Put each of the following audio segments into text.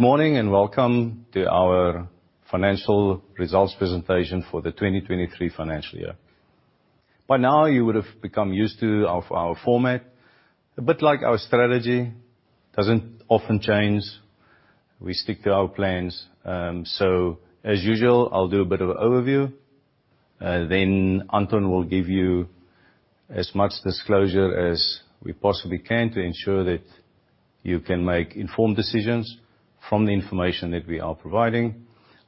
Good morning, and welcome to our financial results presentation for the 2023 financial year. By now, you would have become used to of our format. A bit like our strategy, doesn't often change. We stick to our plans. So as usual, I'll do a bit of an overview, then Anton will give you as much disclosure as we possibly can to ensure that you can make informed decisions from the information that we are providing.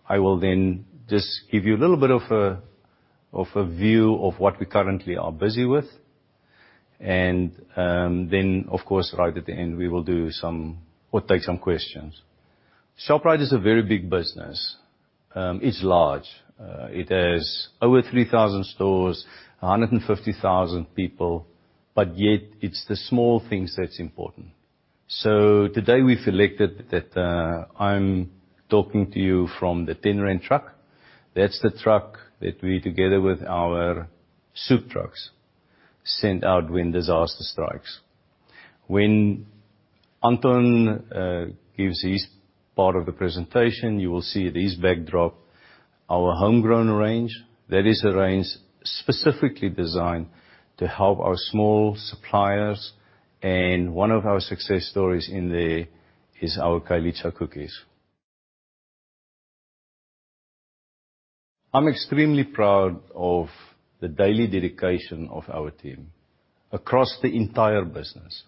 I will then just give you a little bit of a, of a view of what we currently are busy with. And, then, of course, right at the end, we will do some or take some questions. Shoprite is a very big business. It's large. It has over 3,000 stores, 150,000 people, but yet it's the small things that's important. So today, we've selected that, I'm talking to you from the 10 Rand truck. That's the truck that we, together with our soup trucks, send out when disaster strikes. When Anton gives his part of the presentation, you will see his backdrop, our Homegrown range. That is a range specifically designed to help our small suppliers, and one of our success stories in there is our Khayelitsha Cookies. I'm extremely proud of the daily dedication of our team across the entire business,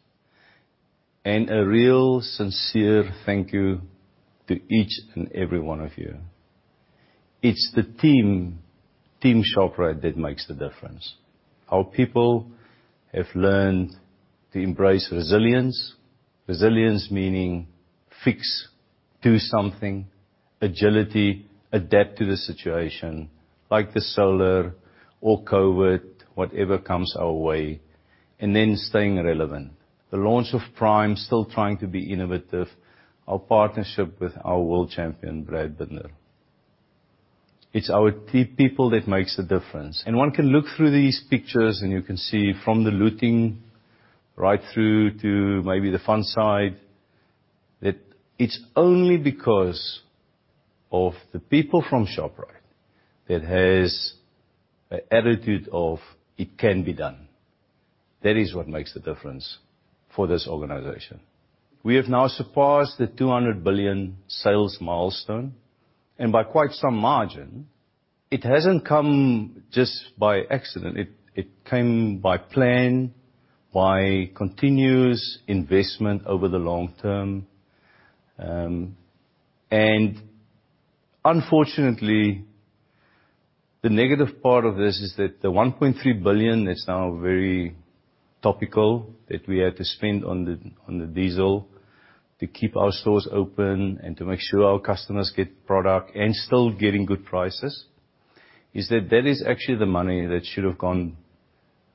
and a real sincere thank you to each and every one of you. It's the team, Team Shoprite, that makes the difference. Our people have learned to embrace resilience. Resilience, meaning fix, do something, agility, adapt to the situation, like the solar or COVID, whatever comes our way, and then staying relevant. The launch of Prime, still trying to be innovative. Our partnership with our world champion, Brad Binder. It's our people that makes a difference. And one can look through these pictures, and you can see from the looting right through to maybe the fun side, that it's only because of the people from Shoprite that has an attitude of, "It can be done." That is what makes the difference for this organization. We have now surpassed the 200 billion sales milestone, and by quite some margin. It hasn't come just by accident. It, it came by plan, by continuous investment over the long term. And unfortunately, the negative part of this is that the 1.3 billion is now very topical, that we had to spend on the, on the diesel to keep our stores open and to make sure our customers get product and still getting good prices, is that that is actually the money that should have gone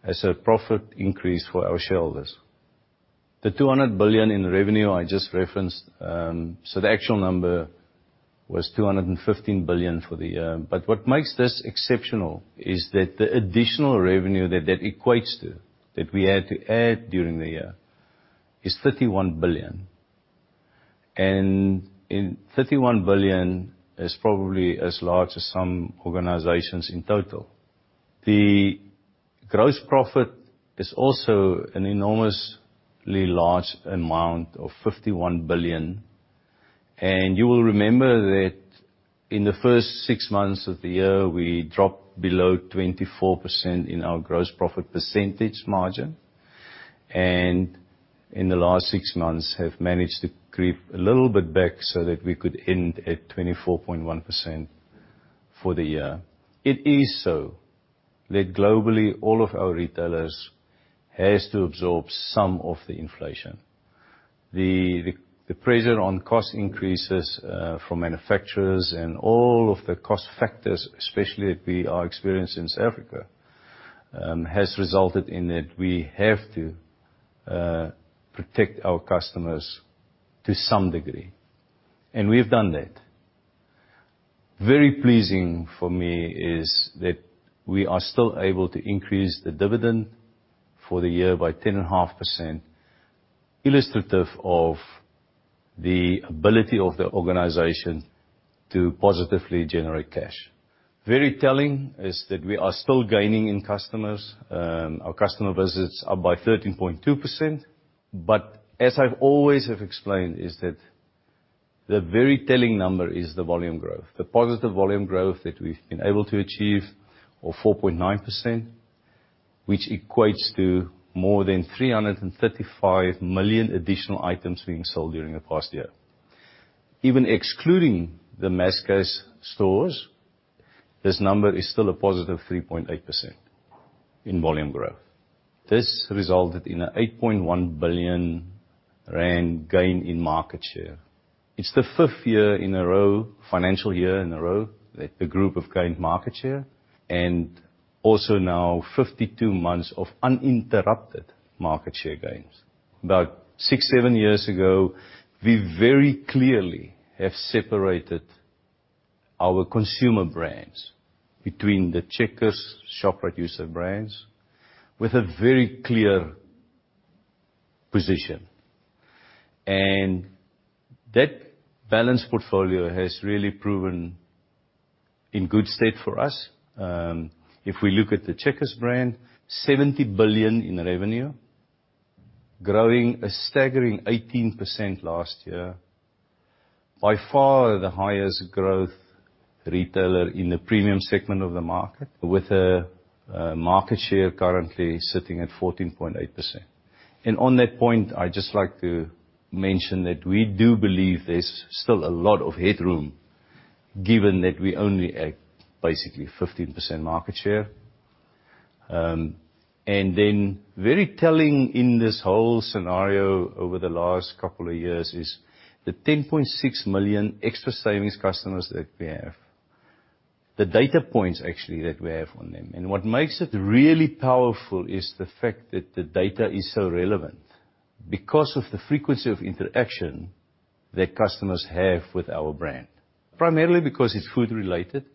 as a profit increase for our shareholders. The 200 billion in revenue I just referenced, so the actual number was 215 billion for the year. But what makes this exceptional is that the additional revenue that that equates to, that we had to add during the year, is 31 billion. And in 31 billion is probably as large as some organizations in total. The gross profit is also an enormously large amount of 51 billion, and you will remember that in the first six months of the year, we dropped below 24% in our gross profit percentage margin, and in the last six months, have managed to creep a little bit back so that we could end at 24.1% for the year. It is so that globally, all of our retailers has to absorb some of the inflation. The pressure on cost increases from manufacturers and all of the cost factors, especially that we are experiencing in South Africa, has resulted in that we have to protect our customers to some degree, and we've done that. Very pleasing for me is that we are still able to increase the dividend for the year by 10.5%, illustrative of the ability of the organization to positively generate cash. Very telling is that we are still gaining in customers. Our customer visits are by 13.2%, but as I've always have explained, is that the very telling number is the volume growth. The positive volume growth that we've been able to achieve of 4.9%, which equates to more than 335 million additional items being sold during the past year. Even excluding the Massmart stores, this number is still a positive 3.8% in volume growth. This resulted in a 8.1 billion rand gain in market share. It's the 5th year in a row, financial year in a row, that the group have gained market share, and also now 52 months of uninterrupted market share gains. About six to seven years ago, we very clearly have separated our consumer brands, between the Checkers, Shoprite, Usave brands, with a very clear position. And that balanced portfolio has really proven in good stead for us. If we look at the Checkers brand, 70 billion in revenue, growing a staggering 18% last year. By far, the highest growth retailer in the premium segment of the market, with a market share currently sitting at 14.8%. And on that point, I'd just like to mention that we do believe there's still a lot of headroom, given that we only at basically 15% market share. And then, very telling in this whole scenario over the last couple of years is the 10.6 million Xtra Savings customers that we have. The data points, actually, that we have on them, and what makes it really powerful is the fact that the data is so relevant because of the frequency of interaction that customers have with our brand. Primarily because it's food-related,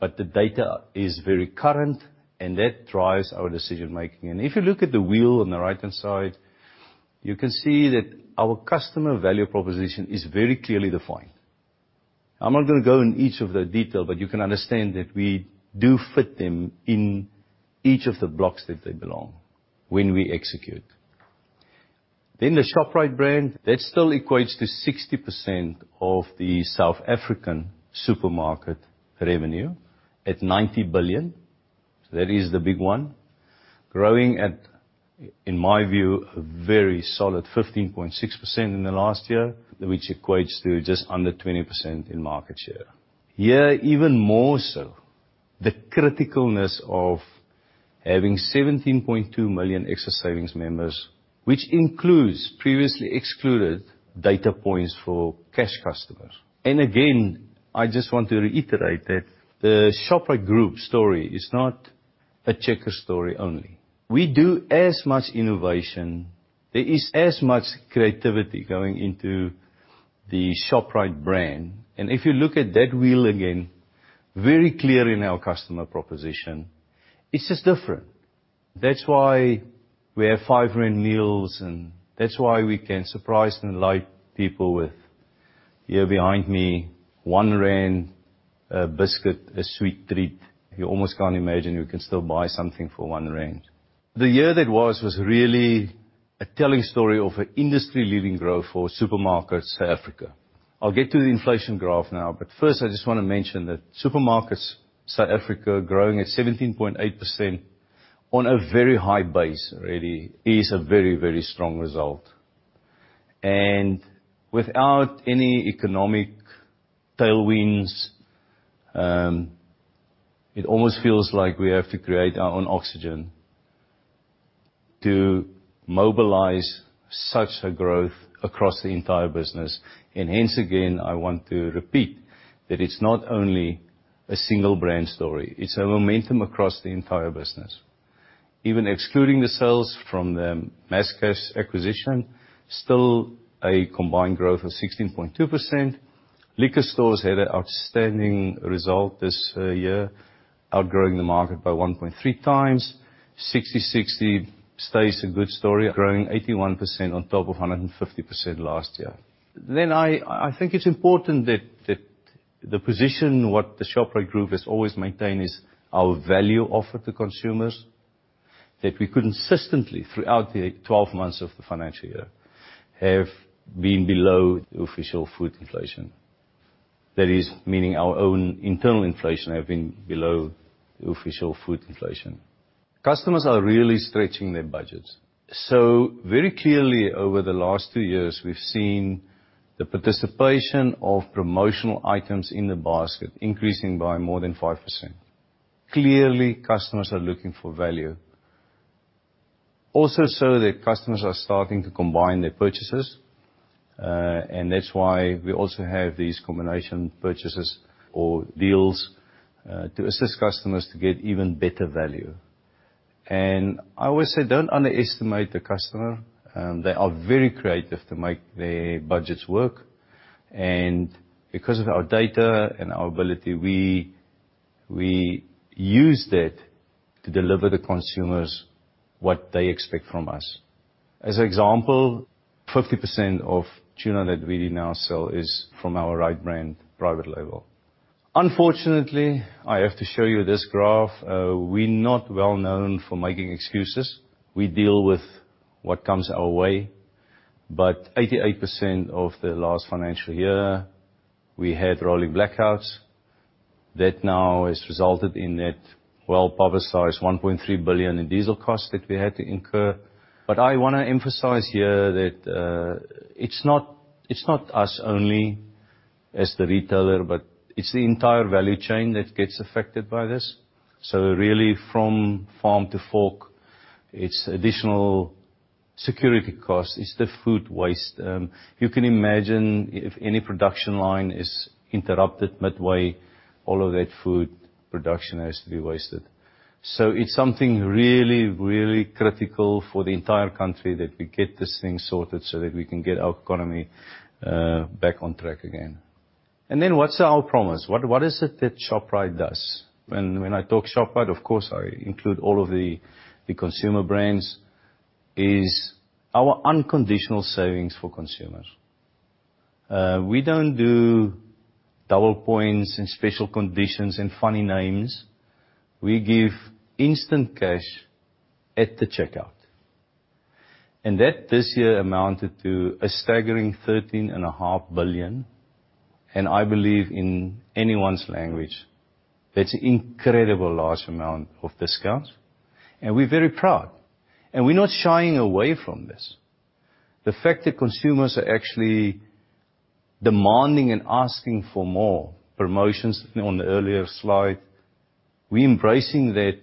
but the data is very current, and that drives our decision-making. And if you look at the wheel on the right-hand side, you can see that our customer value proposition is very clearly defined. I'm not gonna go in each of the detail, but you can understand that we do fit them in each of the blocks that they belong when we execute. Then the Shoprite brand, that still equates to 60% of the South African supermarket revenue at 90 billion. That is the big one, growing at, in my view, a very solid 15.6% in the last year, which equates to just under 20% in market share. Here, even more so, the criticalness of having 17.2 million Xtra Savings members, which includes previously excluded data points for cash customers. And again, I just want to reiterate that the Shoprite Group story is not a Checkers story only. We do as much innovation. There is as much creativity going into the Shoprite brand. And if you look at that wheel again, very clear in our customer proposition, it's just different. That's why we have 5 meals, and that's why we can surprise and delight people with, here behind me, 1 rand biscuit, a sweet treat. You almost can't imagine you can still buy something for 1 rand. The year that was, was really a telling story of an industry-leading growth for Supermarkets South Africa. I'll get to the inflation graph now, but first, I just wanna mention that Supermarkets South Africa, growing at 17.8% on a very high base, really is a very, very strong result. Without any economic tailwinds, it almost feels like we have to create our own oxygen to mobilize such a growth across the entire business. Hence, again, I want to repeat that it's not only a single brand story, it's a momentum across the entire business. Even excluding the sales from the Massmart acquisition, still a combined growth of 16.2%. Liquor stores had an outstanding result this year, outgrowing the market by 1.3x. Sixty60 stays a good story, growing 81% on top of 150% last year. Then I, I think it's important that, that the position what the Shoprite Group has always maintained is our value offer to consumers, that we could consistently, throughout the 12 months of the financial year, have been below the official food inflation. That is, meaning our own internal inflation have been below the official food inflation. Customers are really stretching their budgets, so very clearly, over the last two years, we've seen the participation of promotional items in the basket increasing by more than 5%. Clearly, customers are looking for value. Also, so the customers are starting to combine their purchases, and that's why we also have these combination purchases or deals to assist customers to get even better value. I always say, "Don't underestimate the customer." They are very creative to make their budgets work, and because of our data and our ability, we, we use that to deliver the consumers what they expect from us. As an example, 50% of tuna that we now sell is from our Ritebrand private label. Unfortunately, I have to show you this graph. We're not well-known for making excuses. We deal with what comes our way, but 88% of the last financial year, we had rolling blackouts. That now has resulted in that well-publicized 1.3 billion in diesel costs that we had to incur. I wanna emphasize here that, it's not, it's not us only as the retailer, but it's the entire value chain that gets affected by this. So really, from farm to fork, it's additional security costs, it's the food waste. You can imagine if any production line is interrupted midway, all of that food production has to be wasted. So it's something really, really critical for the entire country, that we get this thing sorted so that we can get our economy back on track again. And then what's our promise? What is it that Shoprite does? When I talk Shoprite, of course, I include all of the consumer brands, is our unconditional savings for consumers. We don't do double points and special conditions and funny names. We give instant cash at the checkout, and that, this year, amounted to a staggering 13.5 billion, and I believe in anyone's language, that's an incredible large amount of discounts, and we're very proud, and we're not shying away from this. The fact that consumers are actually demanding and asking for more promotions on the earlier slide, we're embracing that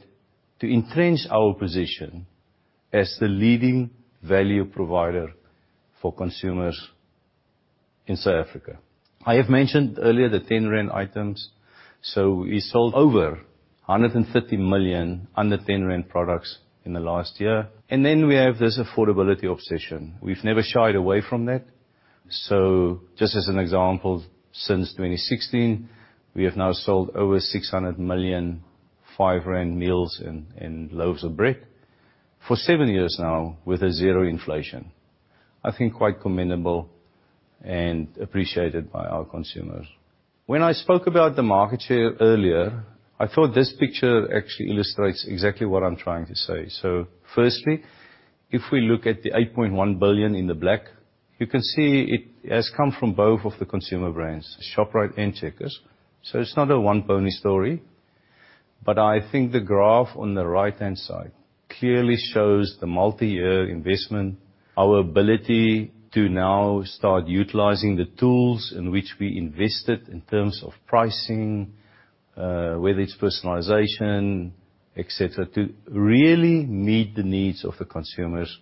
to entrench our position as the leading value provider for consumers in South Africa. I have mentioned earlier the ten-rand items, so we sold over 150 million under ten-rand products in the last year. And then we have this affordability obsession. We've never shied away from that. So just as an example, since 2016, we have now sold over 600 million five-rand meals and loaves of bread for seven years now with a zero inflation. I think, quite commendable and appreciated by our consumers. When I spoke about the market share earlier, I thought this picture actually illustrates exactly what I'm trying to say. So firstly, if we look at the 8.1 billion in the black, you can see it has come from both of the consumer brands, Shoprite and Checkers, so it's not a one-pony story. But I think the graph on the right-hand side clearly shows the multi-year investment, our ability to now start utilizing the tools in which we invested in terms of pricing, whether it's personalization, et cetera, to really meet the needs of the consumers,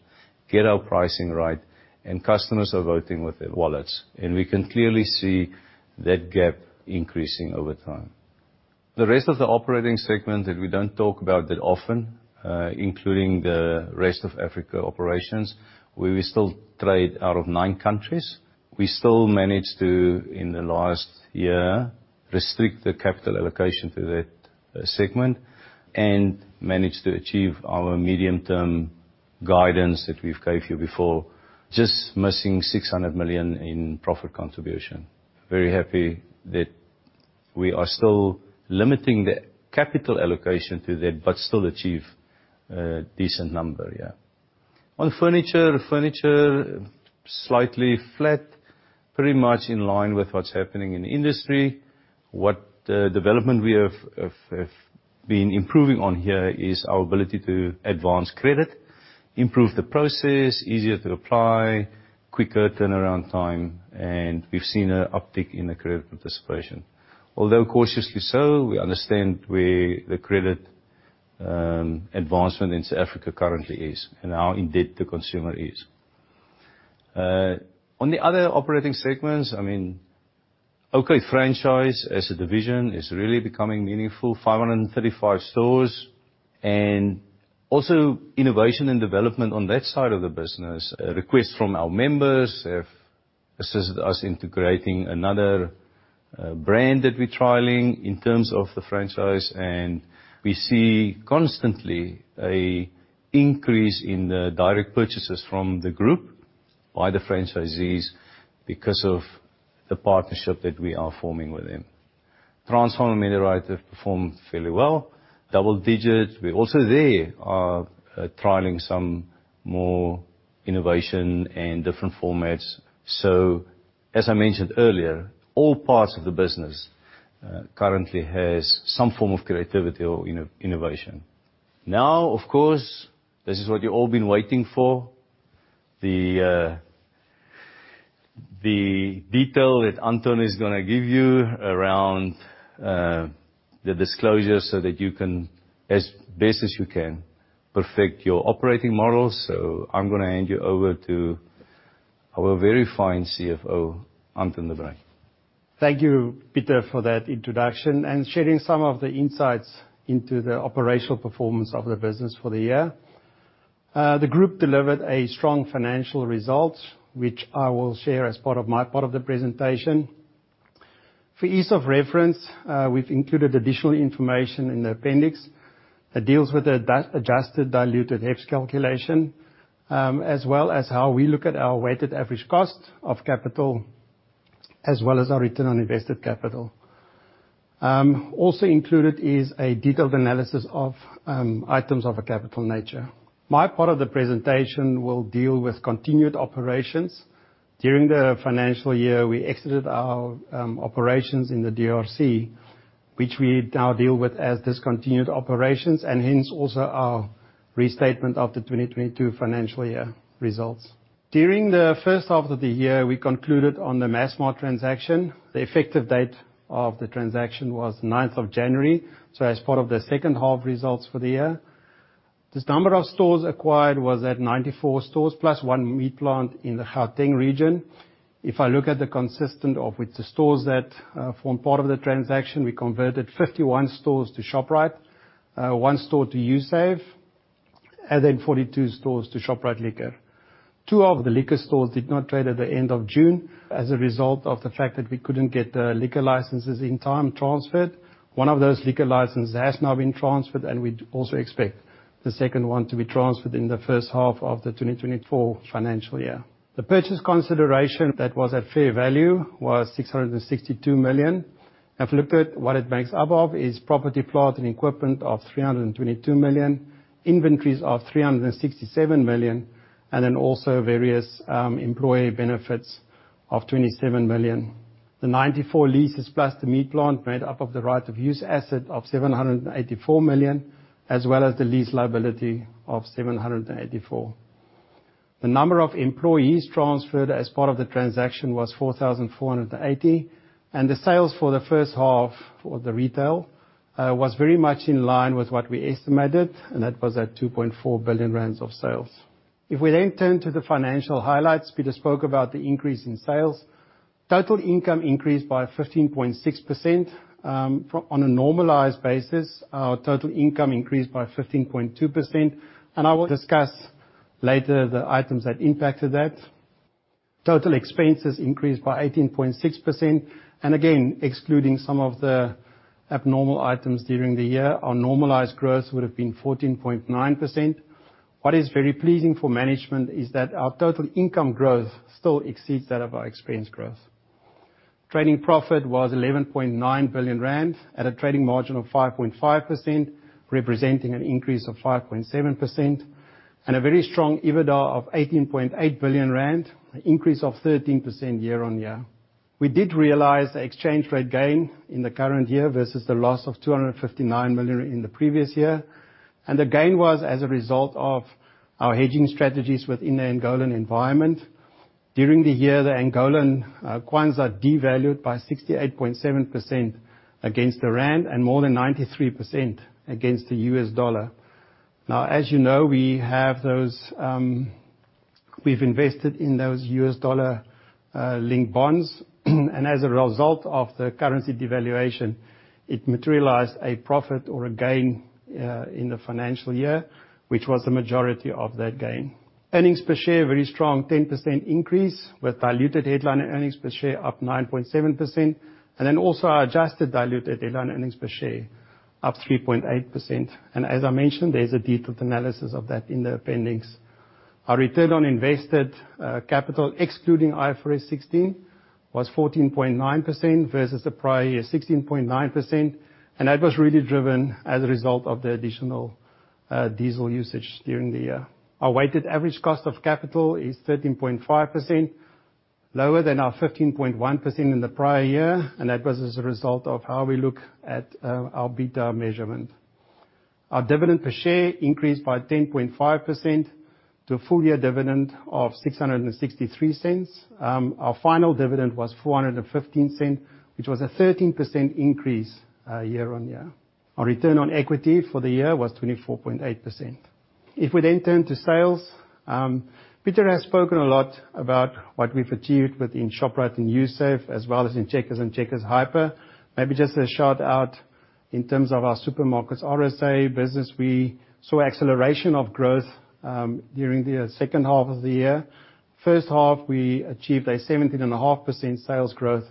get our pricing right, and customers are voting with their wallets, and we can clearly see that gap increasing over time. The rest of the operating segment that we don't talk about that often, including the rest of Africa operations, where we still trade out of nine countries. We still managed to, in the last year, restrict the capital allocation to that segment, and managed to achieve our medium-term guidance that we've gave you before, just missing 600 million in profit contribution. Very happy that we are still limiting the capital allocation to that, but still achieve a decent number, yeah. On furniture, slightly flat, pretty much in line with what's happening in the industry. What development we have been improving on here is our ability to advance credit, improve the process, easier to apply, quicker turnaround time, and we've seen an uptick in the credit participation. Although cautiously so, we understand where the credit advancement in South Africa currently is, and how in debt the consumer is. On the other operating segments, I mean, OK Franchise as a division is really becoming meaningful, 535 stores, and also innovation and development on that side of the business. Requests from our members have assisted us into creating another brand that we're trialing in terms of the franchise, and we see constantly a increase in the direct purchases from the group by the franchisees because of the partnership that we are forming with them. Transpharm and MediRite have performed fairly well, double digits. We also there are trialing some more innovation and different formats. So as I mentioned earlier, all parts of the business currently has some form of creativity or innovation. Now, of course, this is what you've all been waiting for, the detail that Anton is gonna give you around the disclosure, so that you can, as best as you can, perfect your operating model. So I'm gonna hand you over to our very fine CFO, Anton de Bruyn. Thank you, Pieter, for that introduction and sharing some of the insights into the operational performance of the business for the year. The group delivered a strong financial result, which I will share as part of my part of the presentation. For ease of reference, we've included additional information in the appendix that deals with the adjusted diluted EPS calculation, as well as how we look at our weighted average cost of capital, as well as our return on invested capital. Also included is a detailed analysis of items of a capital nature. My part of the presentation will deal with continued operations. During the financial year, we exited our operations in the DRC, which we now deal with as discontinued operations, and hence, also our restatement of the 2022 financial year results. During the first half of the year, we concluded on the Massmart transaction. The effective date of the transaction was 9th of January, so as part of the second half results for the year. This number of stores acquired was 94 stores, plus one meat plant in the Gauteng region. If I look at the constituents of which the stores that form part of the transaction, we converted 51 stores to Shoprite, one store to Usave, and then 42 stores to LiquorShop. Two of the liquor stores did not trade at the end of June as a result of the fact that we couldn't get the liquor licenses in time transferred. One of those liquor license has now been transferred, and we also expect the second one to be transferred in the first half of the 2024 financial year. The purchase consideration that was at fair value was 662 million. If you looked at what it makes up of, is property, plant, and equipment of 322 million, inventories of 367 million, and then also various, employee benefits of 27 million. The 94 leases, plus the meat plant, made up of the right of use asset of 784 million, as well as the lease liability of 784 million. The number of employees transferred as part of the transaction was 4,480, and the sales for the first half for the retail, was very much in line with what we estimated, and that was at 2.4 billion rand of sales. If we then turn to the financial highlights, Pieter spoke about the increase in sales. Total income increased by 15.6%. On a normalized basis, our total income increased by 15.2%, and I will discuss later the items that impacted that. Total expenses increased by 18.6%, and again, excluding some of the abnormal items during the year, our normalized growth would have been 14.9%. What is very pleasing for management is that our total income growth still exceeds that of our expense growth. Trading profit was 11.9 billion rand, at a trading margin of 5.5%, representing an increase of 5.7%, and a very strong EBITDA of 18.8 billion rand, an increase of 13% year-on-year. We did realize the exchange rate gain in the current year versus the loss of 259 million in the previous year, and the gain was as a result of our hedging strategies within the Angolan environment. During the year, the Angolan kwanza devalued by 68.7% against the rand, and more than 93% against the U.S. dollar. Now, as you know, we have those. We've invested in those U.S. dollar linked bonds, and as a result of the currency devaluation, it materialized a profit or a gain in the financial year, which was the majority of that gain. Earnings per share, very strong, 10% increase, with diluted headline earnings per share up 9.7%, and then also our adjusted diluted headline earnings per share up 3.8%. As I mentioned, there's a detailed analysis of that in the appendix. Our return on invested capital, excluding IFRS 16, was 14.9% versus the prior year's 16.9%, and that was really driven as a result of the additional diesel usage during the year. Our weighted average cost of capital is 13.5%, lower than our 15.1% in the prior year, and that was as a result of how we look at our beta measurement. Our dividend per share increased by 10.5% to a full-year dividend of 6.63. Our final dividend was 4.15, which was a 13% increase year-on-year. Our return on equity for the year was 24.8%. If we then turn to sales, Pieter has spoken a lot about what we've achieved within Shoprite and Usave, as well as in Checkers & Checkers Hyper. Maybe just a shout-out in terms of our Supermarkets RSA business, we saw acceleration of growth during the second half of the year. First half, we achieved a 17.5% sales growth.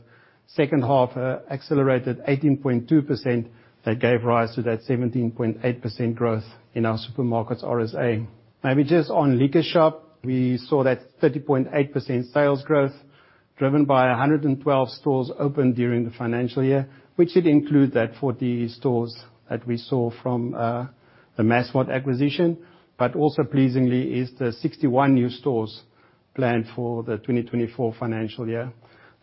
Second half, accelerated 18.2%, that gave rise to that 17.8% growth in our Supermarkets RSA. Maybe just on LiquorShop, we saw that 30.8% sales growth, driven by 112 stores opened during the financial year, which should include that 40 stores that we saw from the Massmart acquisition, but also pleasingly, is the 61 new stores planned for the 2024 financial year.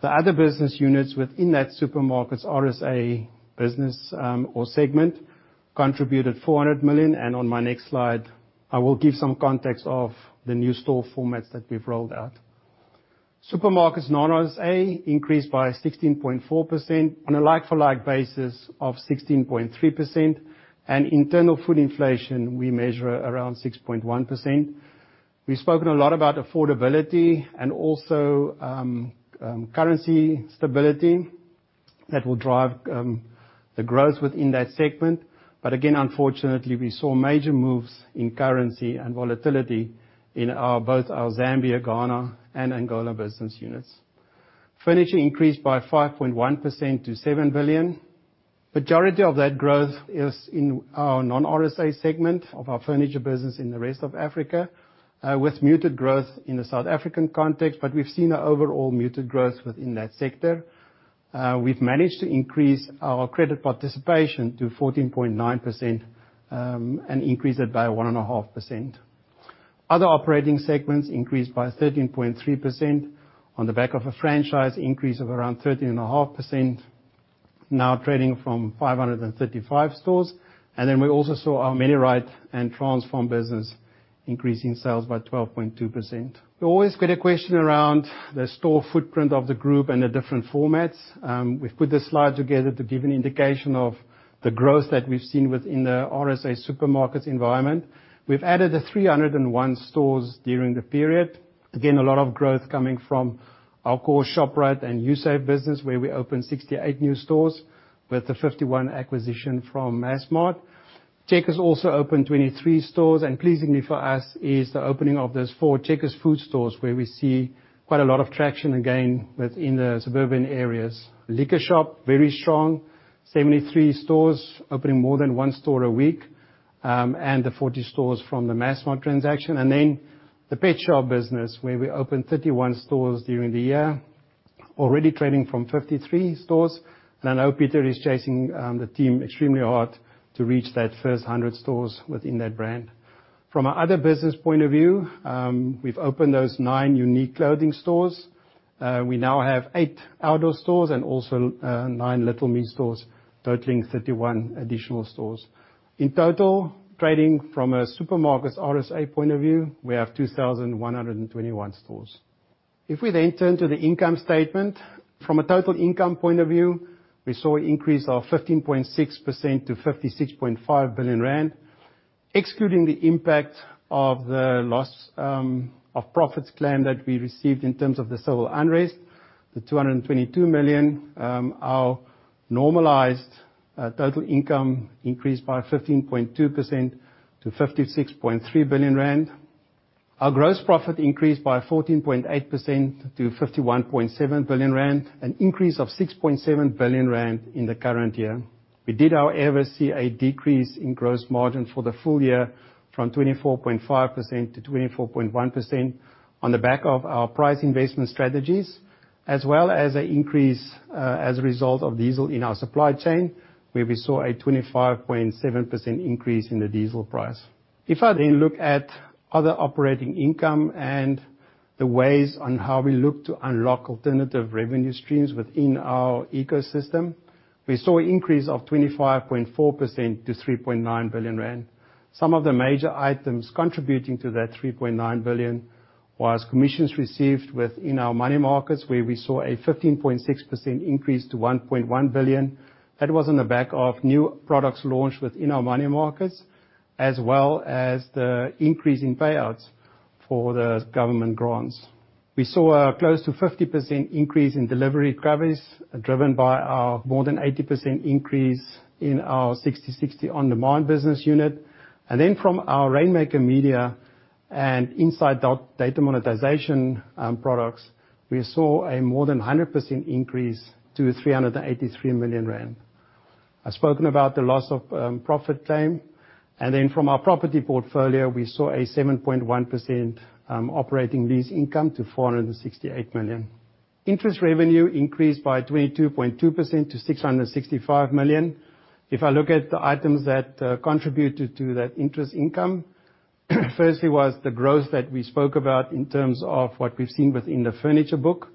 The other business units within that Supermarkets RSA business, or segment, contributed 400 million, and on my next slide, I will give some context of the new store formats that we've rolled out. Supermarkets Non-RSA increased by 16.4% on a like-for-like basis of 16.3%, and internal food inflation, we measure around 6.1%. We've spoken a lot about affordability and also, currency stability that will drive, the growth within that segment. But again, unfortunately, we saw major moves in currency and volatility in, both our Zambia, Ghana, and Angola business units. Furniture increased by 5.1% to 7 billion. Majority of that growth is in our Non-RSA segment of our furniture business in the rest of Africa, with muted growth in the South African context, but we've seen an overall muted growth within that sector. We've managed to increase our credit participation to 14.9%, and increase it by 1.5%. Other operating segments increased by 13.3% on the back of a franchise increase of around 13.5%, now trading from 535 stores. And then we also saw our MediRite and Transpharm business increasing sales by 12.2%. We always get a question around the store footprint of the group and the different formats. We've put this slide together to give an indication of the growth that we've seen within the RSA Supermarkets environment. We've added 301 stores during the period. Again, a lot of growth coming from our core Shoprite and Usave business, where we opened 68 new stores, with the 51 acquisition from Massmart. Checkers also opened 23 stores, and pleasingly for us, is the opening of those four Checkers Foods stores, where we see quite a lot of traction, again, within the suburban areas. LiquorShop, very strong, 73 stores, opening more than one store a week, and the 40 stores from the Massmart transaction. And then the Petshop business, where we opened 31 stores during the year, already trading from 53 stores. And I know Pieter is chasing, the team extremely hard to reach that first 100 stores within that brand. From another business point of view, we've opened those nine UNIQ clothing stores. We now have eight Outdoor stores and also nine Little Me stores, totaling 31 additional stores. In total, trading from a Supermarkets RSA point of view, we have 2,121 stores. If we then turn to the income statement, from a total income point of view, we saw an increase of 15.6% to 56.5 billion rand. Excluding the impact of the loss of profits claim that we received in terms of the civil unrest, the 222 million, our normalized total income increased by 15.2% to 56.3 billion rand. Our gross profit increased by 14.8% to 51.7 billion rand, an increase of 6.7 billion rand in the current year. We did, however, see a decrease in gross margin for the full year from 24.5% to 24.1% on the back of our price investment strategies, as well as an increase, as a result of diesel in our supply chain, where we saw a 25.7% increase in the diesel price. If I then look at other operating income and the ways on how we look to unlock alternative revenue streams within our ecosystem, we saw an increase of 25.4% to 3.9 billion rand. Some of the major items contributing to that 3.9 billion was commissions received within our Money Markets, where we saw a 15.6% increase to 1.1 billion. That was on the back of new products launched within our Money Markets, as well as the increase in payouts for the government grants. We saw a close to 50% increase in delivery GRVs, driven by our more than 80% increase in our Sixty60 on-demand business unit. And then from our Rainmaker Media and insight data monetization products, we saw a more than 100% increase to 383 million rand. I've spoken about the loss of profit claim, and then from our property portfolio, we saw a 7.1% operating lease income to 468 million. Interest revenue increased by 22.2% to 665 million. If I look at the items that contributed to that interest income, firstly, was the growth that we spoke about in terms of what we've seen within the furniture book,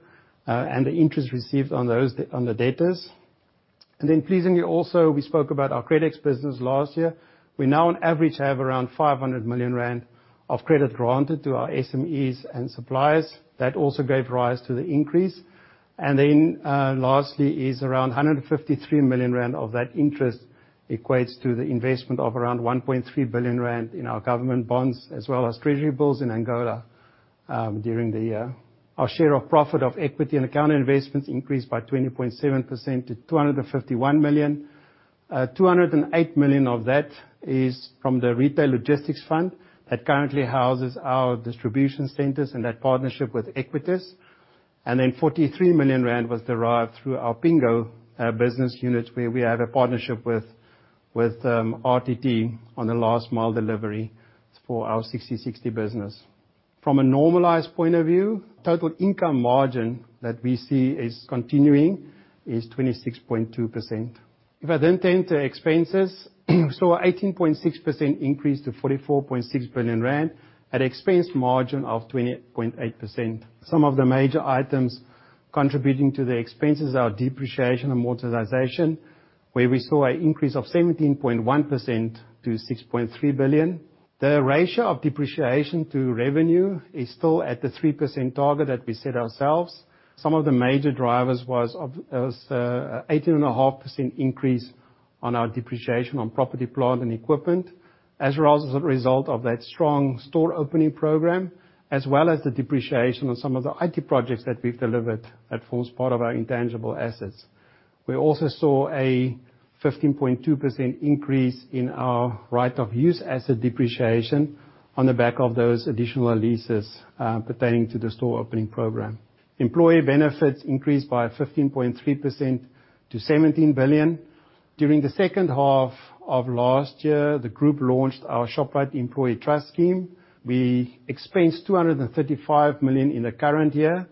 and the interest received on those, on the debtors. And then pleasingly also, we spoke about our CredX business last year. We now on average have around 500 million rand of credit granted to our SMEs and suppliers. That also gave rise to the increase. And then, lastly, is around 153 million rand of that interest equates to the investment of around 1.3 billion rand in our government bonds, as well as treasury bills in Angola, during the year. Our share of profit of equity and account investments increased by 20.7% to 251 million. 208 million of that is from the Retail Logistics Fund that currently houses our distribution centers and that partnership with Equites. Then 43 million rand was derived through our Pingo business unit, where we have a partnership with RTT on the last mile delivery for our Sixty60 business. From a normalized point of view, total income margin that we see is continuing, is 26.2%. If I then turn to expenses, we saw an 18.6% increase to 44.6 billion rand at an expense margin of 20.8%. Some of the major items contributing to the expenses are depreciation and amortization, where we saw an increase of 17.1% to 6.3 billion. The ratio of depreciation to revenue is still at the 3% target that we set ourselves. Some of the major drivers was 18.5% increase on our depreciation on property, plant, and equipment, as well as a result of that strong store opening program, as well as the depreciation on some of the IT projects that we've delivered that forms part of our intangible assets. We also saw a 15.2% increase in our right of use asset depreciation on the back of those additional leases, pertaining to the store opening program. Employee benefits increased by 15.3% to 17 billion. During the second half of last year, the group launched our Shoprite Employee Trust Scheme. We expensed 235 million in the current year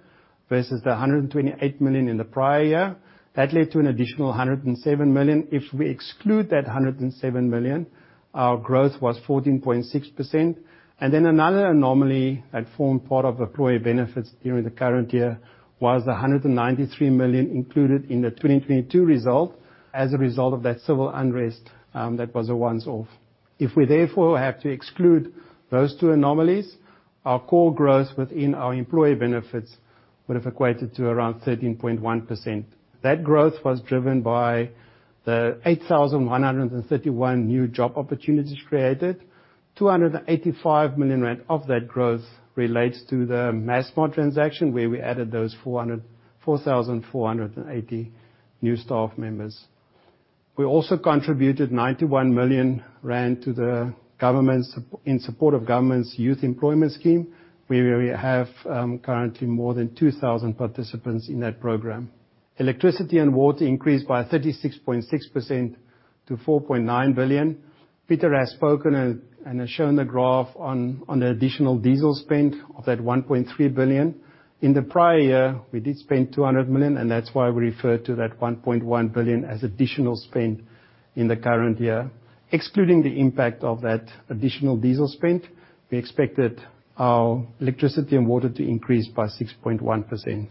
versus the 128 million in the prior year. That led to an additional 107 million. If we exclude 107 million, our growth was 14.6%. And then another anomaly that formed part of employee benefits during the current year was the 193 million included in the 2022 result as a result of that civil unrest, that was a once off. If we therefore have to exclude those two anomalies, our core growth within our employee benefits would have equated to around 13.1%. That growth was driven by the 8,131 new job opportunities created. 285 million rand of that growth relates to the Massmart transaction, where we added those 4,480 new staff members. We also contributed 91 million rand to the government's in support of the government's youth employment scheme, where we have currently more than 2,000 participants in that program. Electricity and water increased by 36.6% to 4.9 billion. Pieter has spoken and has shown the graph on the additional diesel spend of that 1.3 billion. In the prior year, we did spend 200 million, and that's why we referred to that 1.1 billion as additional spend in the current year. Excluding the impact of that additional diesel spend, we expected our electricity and water to increase by 6.1%.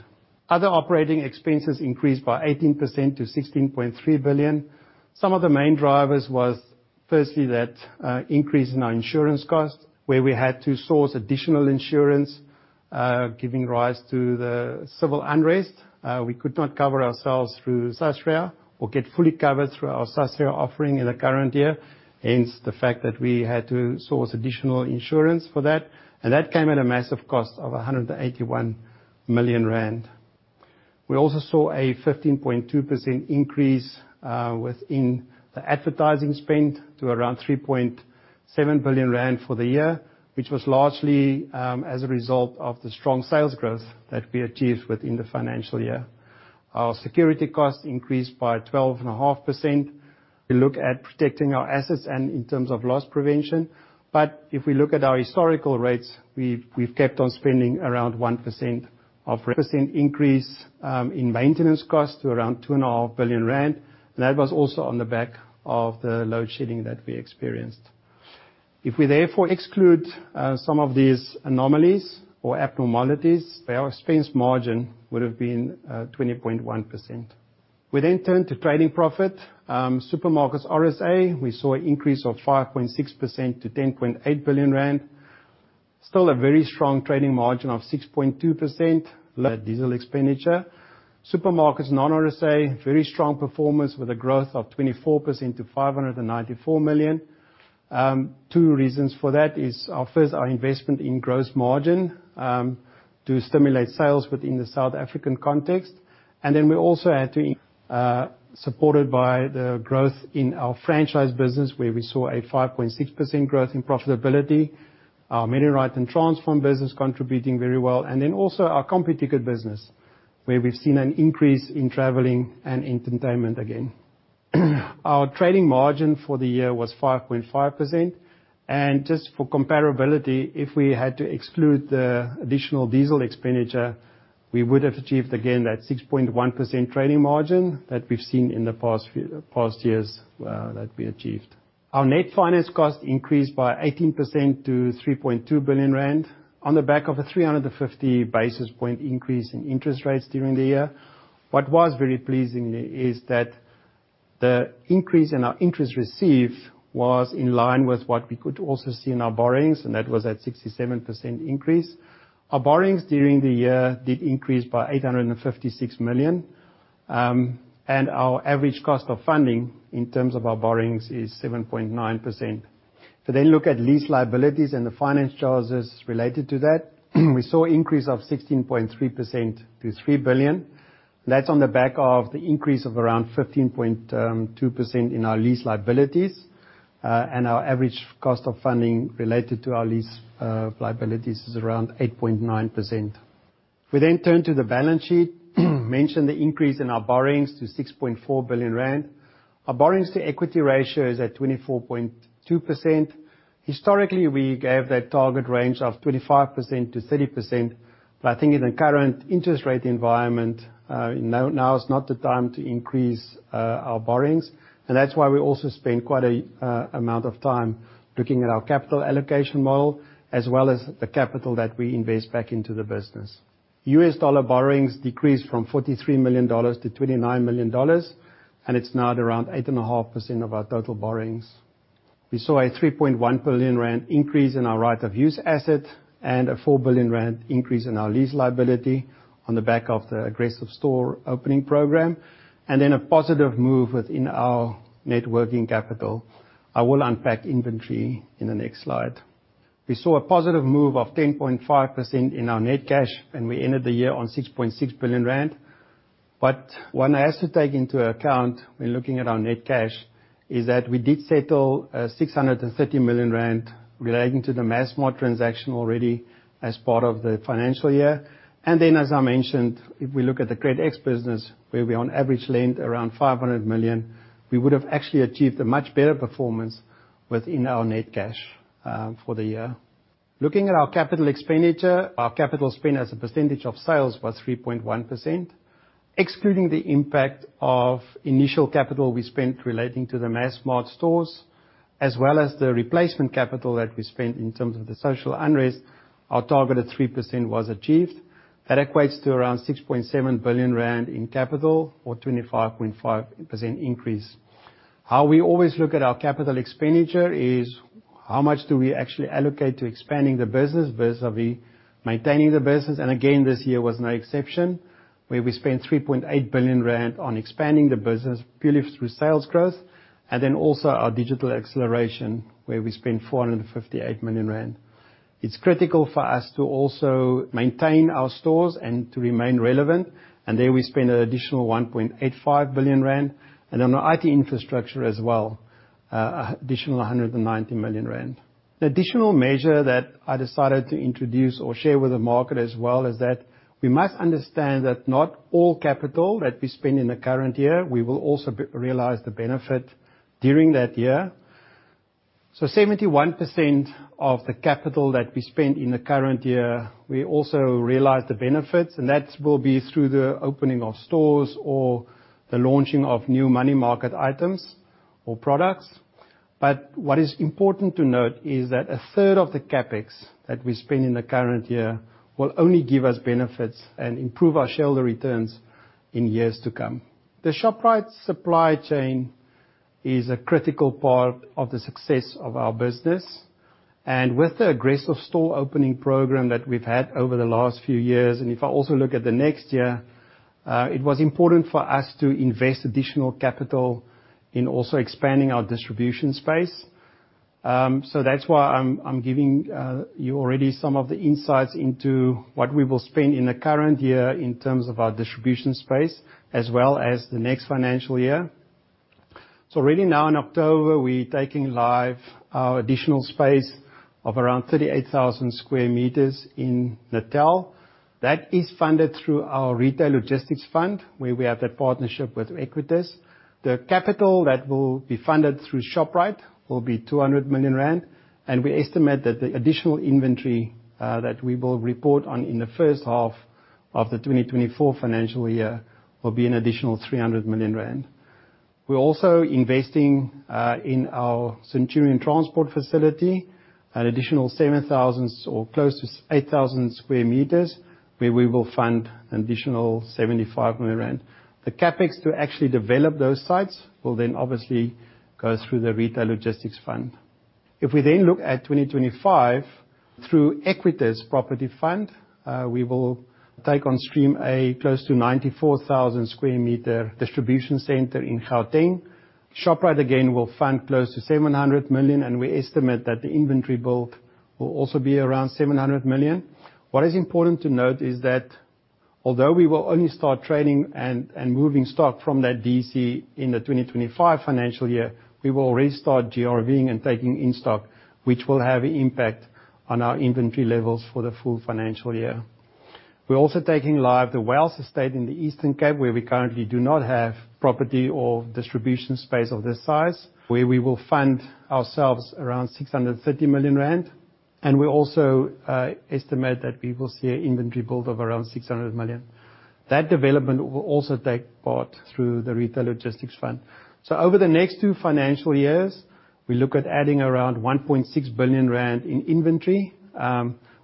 Other operating expenses increased by 18% to 16.3 billion. Some of the main drivers was, firstly, that, increase in our insurance costs, where we had to source additional insurance, giving rise to the civil unrest. We could not cover ourselves through Sasria or get fully covered through our Sasria offering in the current year, hence, the fact that we had to source additional insurance for that, and that came at a massive cost of 181 million rand. We also saw a 15.2% increase, within the advertising spend to around 3.7 billion rand for the year, which was largely, as a result of the strong sales growth that we achieved within the financial year. Our security costs increased by 12.5%. We look at protecting our assets and in terms of loss prevention, but if we look at our historical rates, we've kept on spending around 1% increase in maintenance costs to around 2.5 billion rand, and that was also on the back of the load shedding that we experienced. If we therefore exclude some of these anomalies or abnormalities, our expense margin would have been 20.1%. We then turn to trading profit. Supermarkets RSA, we saw an increase of 5.6% to 10.8 billion rand. Still a very strong trading margin of 6.2% diesel expenditure. Supermarkets, non-RSA, very strong performance with a growth of 24% to 594 million. Two reasons for that is, first, our investment in gross margin to stimulate sales within the South African context, and then we also had to supported by the growth in our franchise business, where we saw a 5.6% growth in profitability. Our MediRite and Transpharm business contributing very well, and then also our Computicket business, where we've seen an increase in traveling and entertainment again. Our trading margin for the year was 5.5%, and just for comparability, if we had to exclude the additional diesel expenditure, we would have achieved, again, that 6.1% trading margin that we've seen in the past few past years that we achieved. Our net finance cost increased by 18% to 3.2 billion rand, on the back of a 350 basis point increase in interest rates during the year. What was very pleasing is that the increase in our interest received was in line with what we could also see in our borrowings, and that was at 67% increase. Our borrowings during the year did increase by 856 million, and our average cost of funding in terms of our borrowings is 7.9%. If we then look at lease liabilities and the finance charges related to that, we saw an increase of 16.3% to 3 billion. That's on the back of the increase of around 15.2% in our lease liabilities, and our average cost of funding related to our lease liabilities is around 8.9%. We then turn to the balance sheet, mention the increase in our borrowings to 6.4 billion rand. Our borrowings to equity ratio is at 24.2%. Historically, we gave that target range of 25%-30%, but I think in the current interest rate environment, now, now is not the time to increase our borrowings, and that's why we also spend quite a amount of time looking at our capital allocation model, as well as the capital that we invest back into the business. U.S. dollar borrowings decreased from $43 million to $29 million, and it's now at around 8.5% of our total borrowings. We saw a 3.1 billion rand increase in our right of use asset and a 4 billion rand increase in our lease liability on the back of the aggressive store opening program, and then a positive move within our net working capital. I will unpack inventory in the next slide. We saw a positive move of 10.5% in our net cash, and we ended the year on 6.6 billion rand. But one has to take into account, when looking at our net cash, is that we did settle 630 million rand relating to the Massmart transaction already as part of the financial year. And then, as I mentioned, if we look at the CredX business, where we on average lend around 500 million, we would have actually achieved a much better performance within our net cash for the year. Looking at our capital expenditure, our capital spend as a percentage of sales was 3.1%. Excluding the impact of initial capital we spent relating to the Massmart stores, as well as the replacement capital that we spent in terms of the social unrest, our target of 3% was achieved. That equates to around 6.7 billion rand in capital or 25.5% increase. How we always look at our capital expenditure. How much do we actually allocate to expanding the business versus maintaining the business? Again, this year was no exception, where we spent 3.8 billion rand on expanding the business purely through sales growth, and then also our digital acceleration, where we spent 458 million rand. It's critical for us to also maintain our stores and to remain relevant, and there we spent an additional 1.85 billion rand, and on our IT infrastructure as well, an additional 190 million rand. An additional measure that I decided to introduce or share with the market as well, is that we must understand that not all capital that we spend in the current year, we will also realize the benefit during that year. So 71% of the capital that we spent in the current year, we also realize the benefits, and that will be through the opening of stores or the launching of new money market items or products. But what is important to note is that a third of the CapEx that we spend in the current year will only give us benefits and improve our shareholder returns in years to come. The Shoprite supply chain is a critical part of the success of our business, and with the aggressive store opening program that we've had over the last few years, and if I also look at the next year, it was important for us to invest additional capital in also expanding our distribution space. So that's why I'm giving you already some of the insights into what we will spend in the current year in terms of our distribution space, as well as the next financial year. So already now in October, we're taking live our additional space of around 38,000 square meters in Natal. That is funded through our retail logistics fund, where we have that partnership with Equites. The capital that will be funded through Shoprite will be 200 million rand, and we estimate that the additional inventory that we will report on in the first half of the 2024 financial year will be an additional 300 million rand. We're also investing in our Centurion transport facility, an additional 7,000 or close to 8,000 square meters, where we will fund an additional 75 million rand. The CapEx to actually develop those sites will then obviously go through the retail logistics fund. If we then look at 2025, through Equites Property Fund, we will take on stream a close to 94,000 square meter distribution center in Gauteng. Shoprite, again, will fund close to 700 million, and we estimate that the inventory build will also be around 700 million. What is important to note is that although we will only start training and moving stock from that DC in the 2025 financial year, we will already start GRV-ing and taking in stock, which will have an impact on our inventory levels for the full financial year. We're also taking live the Wells Estate in the Eastern Cape, where we currently do not have property or distribution space of this size, where we will fund ourselves around 630 million rand. And we also estimate that we will see an inventory build of around 600 million. That development will also take part through the Retail Logistics Fund. So over the next two financial years, we look at adding around 1.6 billion rand in inventory,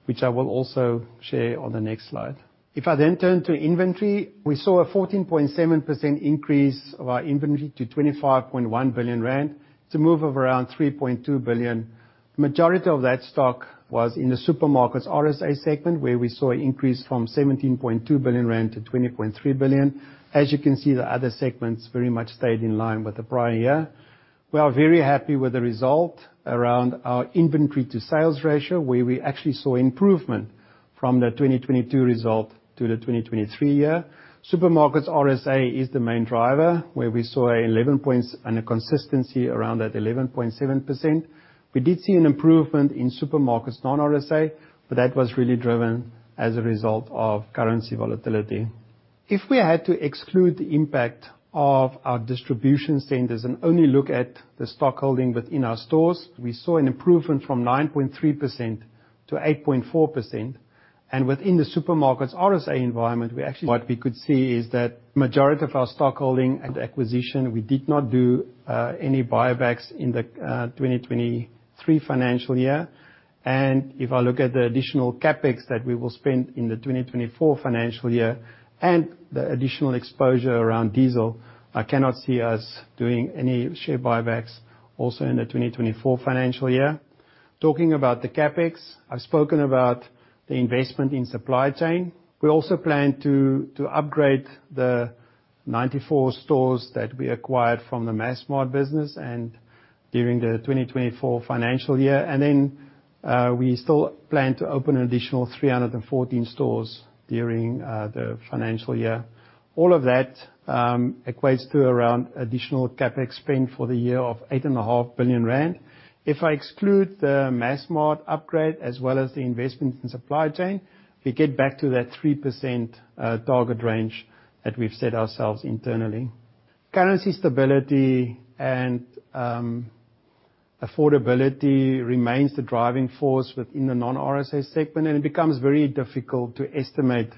which I will also share on the next slide. If I then turn to inventory, we saw a 14.7% increase of our inventory to 25.1 billion rand, it's a move of around 3.2 billion. Majority of that stock was in the Supermarkets RSA segment, where we saw an increase from 17.2 billion rand to 20.3 billion. As you can see, the other segments very much stayed in line with the prior year. We are very happy with the result around our inventory to sales ratio, where we actually saw improvement from the 2022 result to the 2023 year. Supermarkets RSA is the main driver, where we saw an 11 points and a consistency around that 11.7%. We did see an improvement in supermarkets non-RSA, but that was really driven as a result of currency volatility. If we had to exclude the impact of our distribution centers and only look at the stock holding within our stores, we saw an improvement from 9.3% to 8.4%. Within the supermarkets RSA environment, we actually—what we could see is that majority of our stock holding and acquisition, we did not do any buybacks in the 2023 financial year. And if I look at the additional CapEx that we will spend in the 2024 financial year and the additional exposure around diesel, I cannot see us doing any share buybacks also in the 2024 financial year. Talking about the CapEx, I've spoken about the investment in supply chain. We also plan to upgrade the 94 stores that we acquired from the Massmart business and during the 2024 financial year. And then we still plan to open an additional 314 stores during the financial year. All of that equates to around additional CapEx spend for the year of 8.5 billion rand. If I exclude the Massmart upgrade as well as the investment in supply chain, we get back to that 3% target range that we've set ourselves internally. Currency stability and affordability remains the driving force within the non-RSA segment, and it becomes very difficult to estimate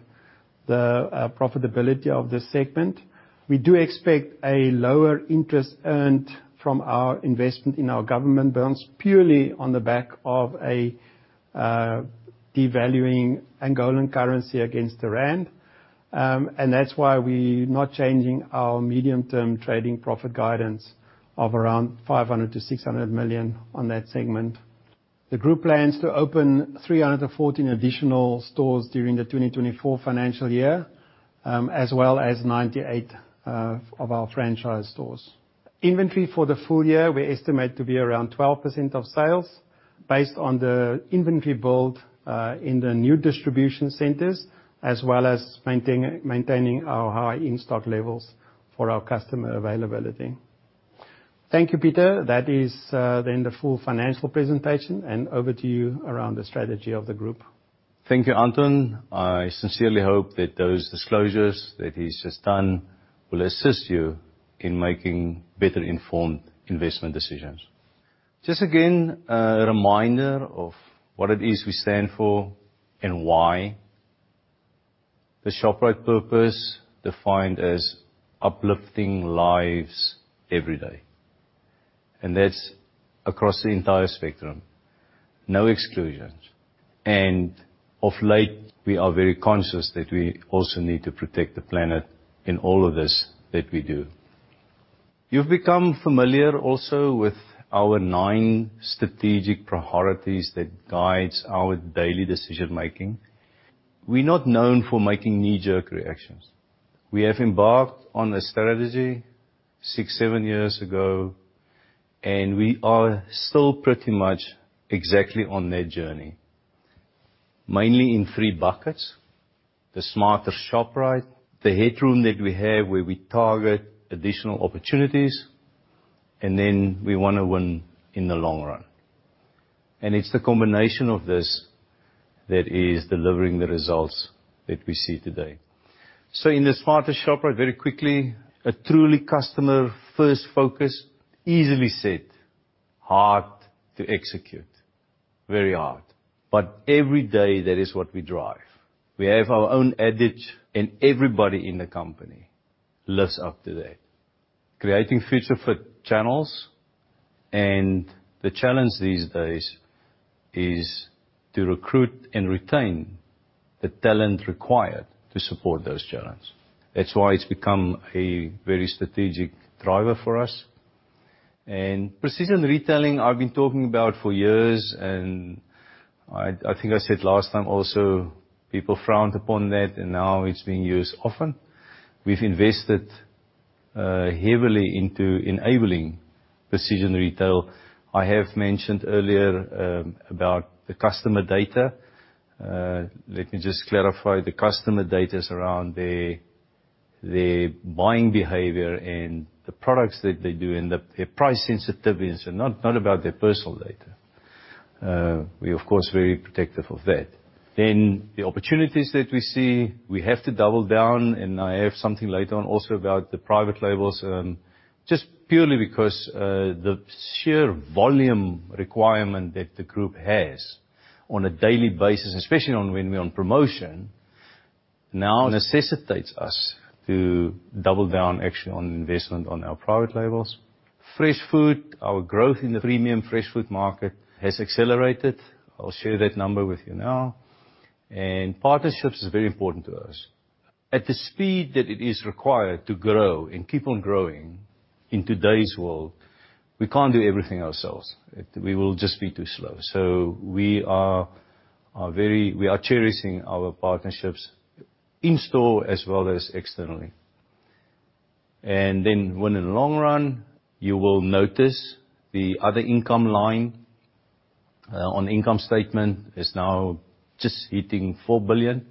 the profitability of this segment. We do expect a lower interest earned from our investment in our government bonds, purely on the back of devaluing Angolan currency against the rand. And that's why we're not changing our medium-term trading profit guidance of around 500 million-600 million on that segment. The group plans to open 314 additional stores during the 2024 financial year, as well as 98 of our franchise stores. Inventory for the full year, we estimate to be around 12% of sales, based on the inventory build in the new distribution centers, as well as maintaining our high in-stock levels for our customer availability. Thank you, Pieter. That is then the full financial presentation, and over to you around the strategy of the group. Thank you, Anton. I sincerely hope that those disclosures that he's just done will assist you in making better-informed investment decisions. Just again, a reminder of what it is we stand for and why. The Shoprite purpose, defined as uplifting lives every day, and that's across the entire spectrum. No exclusions. Of late, we are very conscious that we also need to protect the planet in all of this that we do. You've become familiar also with our nine strategic priorities that guides our daily decision making. We're not known for making knee-jerk reactions. We have embarked on a strategy six, seven years ago, and we are still pretty much exactly on that journey. Mainly in three buckets: the smarter Shoprite, the headroom that we have, where we target additional opportunities, and then we wanna win in the long run. And it's the combination of this that is delivering the results that we see today. So in the smarter Shoprite, very quickly, a truly customer-first focus, easily said, hard to execute. Very hard. But every day, that is what we drive. We have our own adage, and everybody in the company lives up to that. Creating future-fit channels, and the challenge these days is to recruit and retain the talent required to support those channels. That's why it's become a very strategic driver for us. And precision retailing, I've been talking about for years, and I think I said last time also, people frowned upon that, and now it's being used often. We've invested heavily into enabling precision retail. I have mentioned earlier about the customer data. Let me just clarify, the customer data is around their buying behavior and the products that they do and their price sensitivity, so not about their personal data. We of course are very protective of that. Then the opportunities that we see, we have to double down, and I have something later on also about the private labels. Just purely because the sheer volume requirement that the group has on a daily basis, especially on when we're on promotion, now necessitates us to double down actually on investment on our private labels. Fresh food, our growth in the premium fresh food market has accelerated. I'll share that number with you now. And partnerships is very important to us. At the speed that it is required to grow and keep on growing in today's world, we can't do everything ourselves. We will just be too slow. So we are very cherishing our partnerships in-store as well as externally. And then win in long run, you will notice the other income line on the income statement is now just hitting 4 billion,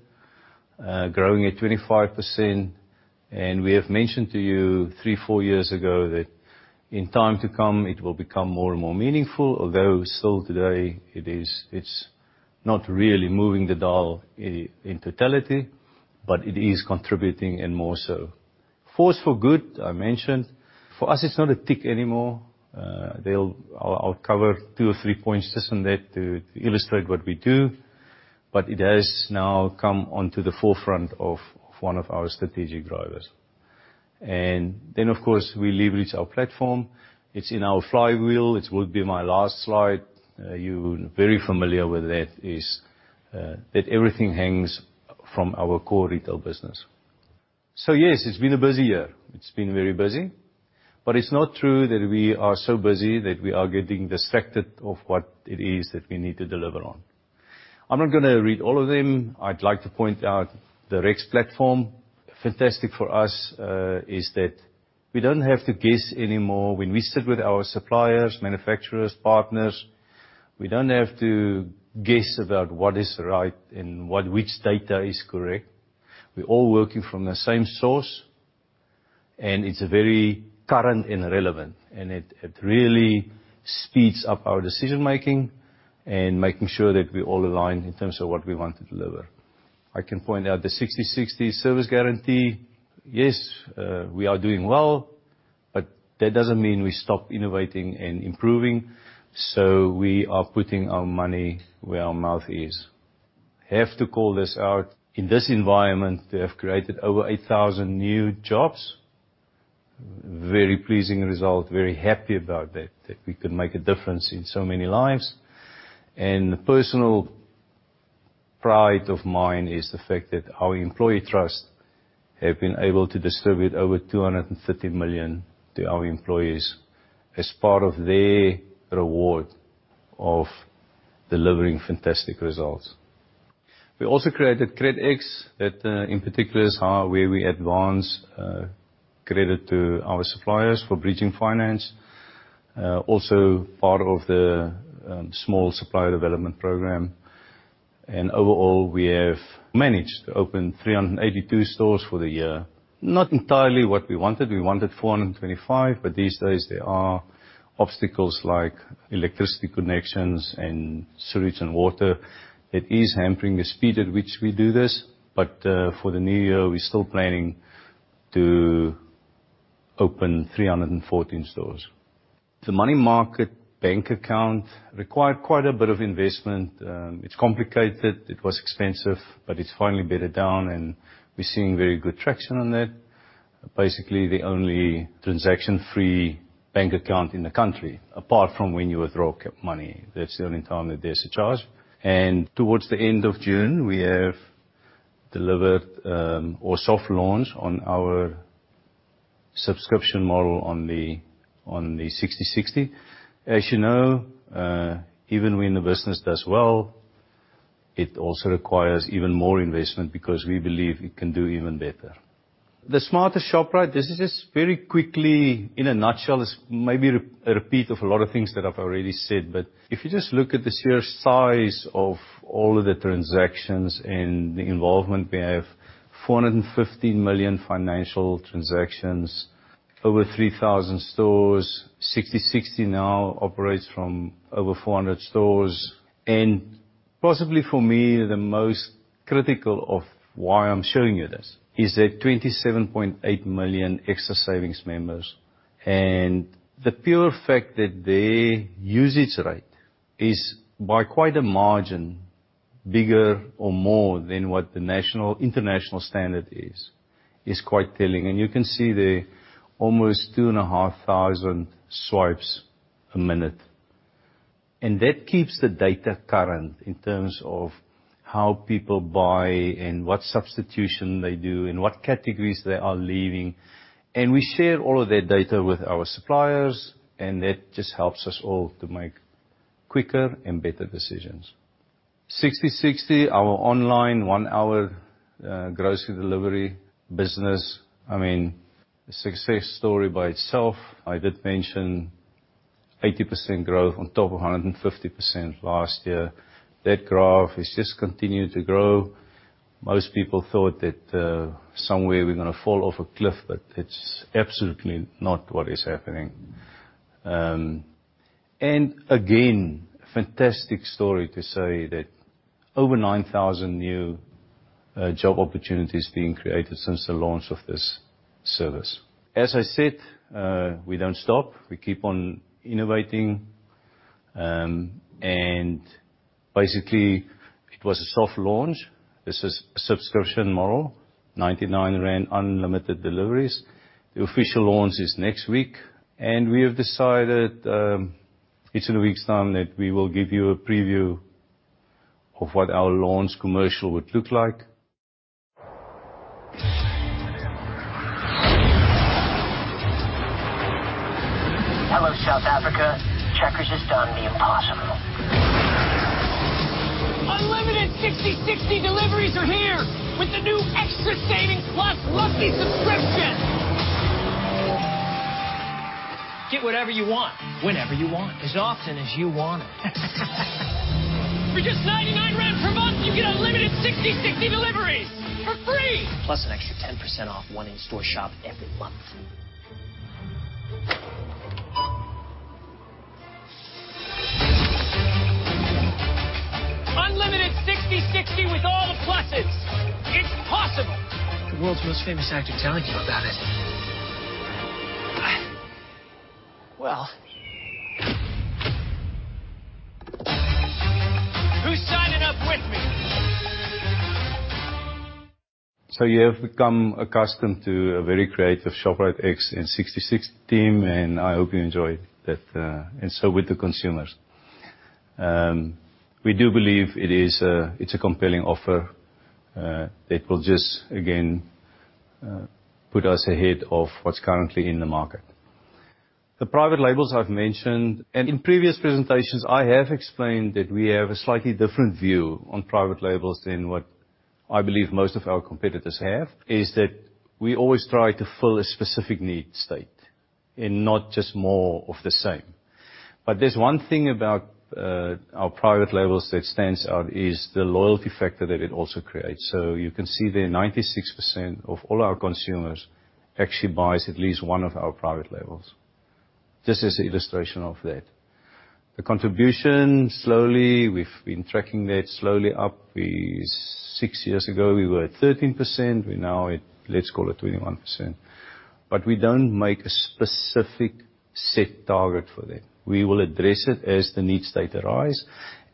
growing at 25%, and we have mentioned to you three or four years ago that in time to come, it will become more and more meaningful, although still today, it is, it's not really moving the dial in totality, but it is contributing and more so. Force for good, I mentioned. For us, it's not a tick anymore. I'll cover 2 or 3 points just on that to illustrate what we do, but it has now come onto the forefront of one of our strategic drivers. And then, of course, we leverage our platform. It's in our flywheel. It will be my last slide. You're very familiar with that, that everything hangs from our core retail business. So yes, it's been a busy year. It's been very busy, but it's not true that we are so busy that we are getting distracted of what it is that we need to deliver on. I'm not gonna read all of them. I'd like to point out the Rex platform. Fantastic for us is that we don't have to guess anymore. When we sit with our suppliers, manufacturers, partners, we don't have to guess about what is right and what-- which data is correct. We're all working from the same source, and it's very current and relevant, and it really speeds up our decision-making and making sure that we're all aligned in terms of what we want to deliver. I can point out the Sixty60 service guarantee. Yes, we are doing well, but that doesn't mean we stop innovating and improving. So we are putting our money where our mouth is. I have to call this out. In this environment, we have created over 8,000 new jobs. Very pleasing result, very happy about that, that we could make a difference in so many lives. And a personal pride of mine is the fact that our employee trust have been able to distribute over 250 million to our employees as part of their reward of delivering fantastic results. We also created CredX, that, in particular, is how, where we advance credit to our suppliers for bridging finance. Also part of the small supplier development program. And overall, we have managed to open 382 stores for the year. Not entirely what we wanted. We wanted 425, but these days there are obstacles like electricity connections and sewage and water, that is hampering the speed at which we do this. But for the new year, we're still planning to open 314 stores. The money market bank account required quite a bit of investment. It's complicated, it was expensive, but it's finally bedded down, and we're seeing very good traction on that. Basically, the only transaction-free bank account in the country, apart from when you withdraw cap money. That's the only time that there's a charge. And towards the end of June, we have delivered or soft launched on our subscription model on the Sixty60. As you know, even when the business does well, it also requires even more investment because we believe it can do even better. The smarter Shoprite, this is just very quickly, in a nutshell, is maybe a, a repeat of a lot of things that I've already said, but if you just look at the sheer size of all of the transactions and the involvement, we have 415 million financial transactions, over 3,000 stores. Sixty60 now operates from over 400 stores, and possibly for me, the most critical of why I'm showing you this, is that 27.8 million Xtra Savings members. The pure fact that their usage rate is, by quite a margin, bigger or more than what the national, international standard is, is quite telling. You can see there, almost 2,500 swipes a minute. That keeps the data current in terms of how people buy and what substitution they do, and what categories they are leaving. We share all of that data with our suppliers, and that just helps us all to make quicker and better decisions. Sixty60, our online one-hour grocery delivery business, I mean, a success story by itself. I did mention 80% growth on top of 150% last year. That graph has just continued to grow. Most people thought that somewhere we're gonna fall off a cliff, but it's absolutely not what is happening. And again, fantastic story to say that over 9,000 new job opportunities being created since the launch of this service. As I said, we don't stop. We keep on innovating. And basically, it was a soft launch. This is a subscription model, 99 rand, unlimited deliveries. The official launch is next week, and we have decided, each in a week's time, that we will give you a preview of what our launch commercial would look like. Hello, South Africa. Checkers has done the impossible. Unlimited Sixty60 deliveries are here! With the new Xtra Savings Plus subscription. Get whatever you want, whenever you want, as often as you want it. For just 99 rand per month, you get unlimited Sixty60 deliveries for free, plus an extra 10% off one in-store shop every month. Unlimited Sixty60 with all the pluses. It's possible. The world's most famous actor telling you about it. Well... Who's signing up with me? So you have become accustomed to a very creative ShopriteX and Sixty60 team, and I hope you enjoyed that, and so with the consumers. We do believe it is a, it's a compelling offer, that will just, again, put us ahead of what's currently in the market. The private labels I've mentioned, and in previous presentations, I have explained that we have a slightly different view on private labels than what I believe most of our competitors have, is that we always try to fill a specific need state, and not just more of the same. But there's one thing about, our private labels that stands out, is the loyalty factor that it also creates. So you can see there, 96% of all our consumers actually buys at least one of our private labels. This is an illustration of that. The contribution. Slowly, we've been tracking that slowly up. Six years ago, we were at 13%. We're now at, let's call it 21%. But we don't make a specific set target for that. We will address it as the needs data rise,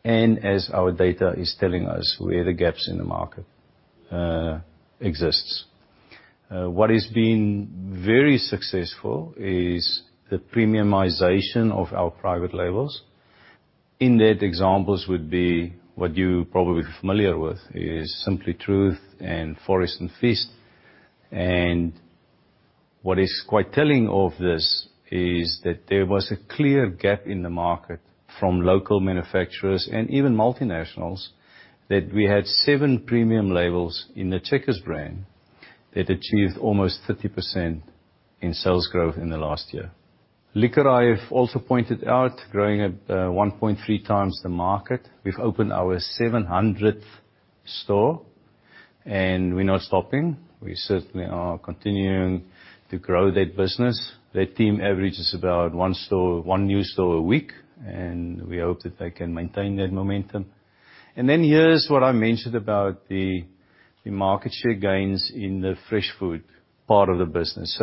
and as our data is telling us where are the gaps in the market exists. What has been very successful is the premiumization of our private labels. In that, examples would be what you probably familiar with, is Simple Truth and Forage and Feast. And what is quite telling of this is that there was a clear gap in the market from local manufacturers and even multinationals, that we had 7 premium labels in the Checkers brand that achieved almost 30% in sales growth in the last year. LiquorShop also pointed out, growing at 1.3x the market. We've opened our 700th store, and we're not stopping. We certainly are continuing to grow that business. That team averages about one new store a week, and we hope that they can maintain that momentum. Then here's what I mentioned about the, the market share gains in the fresh food part of the business.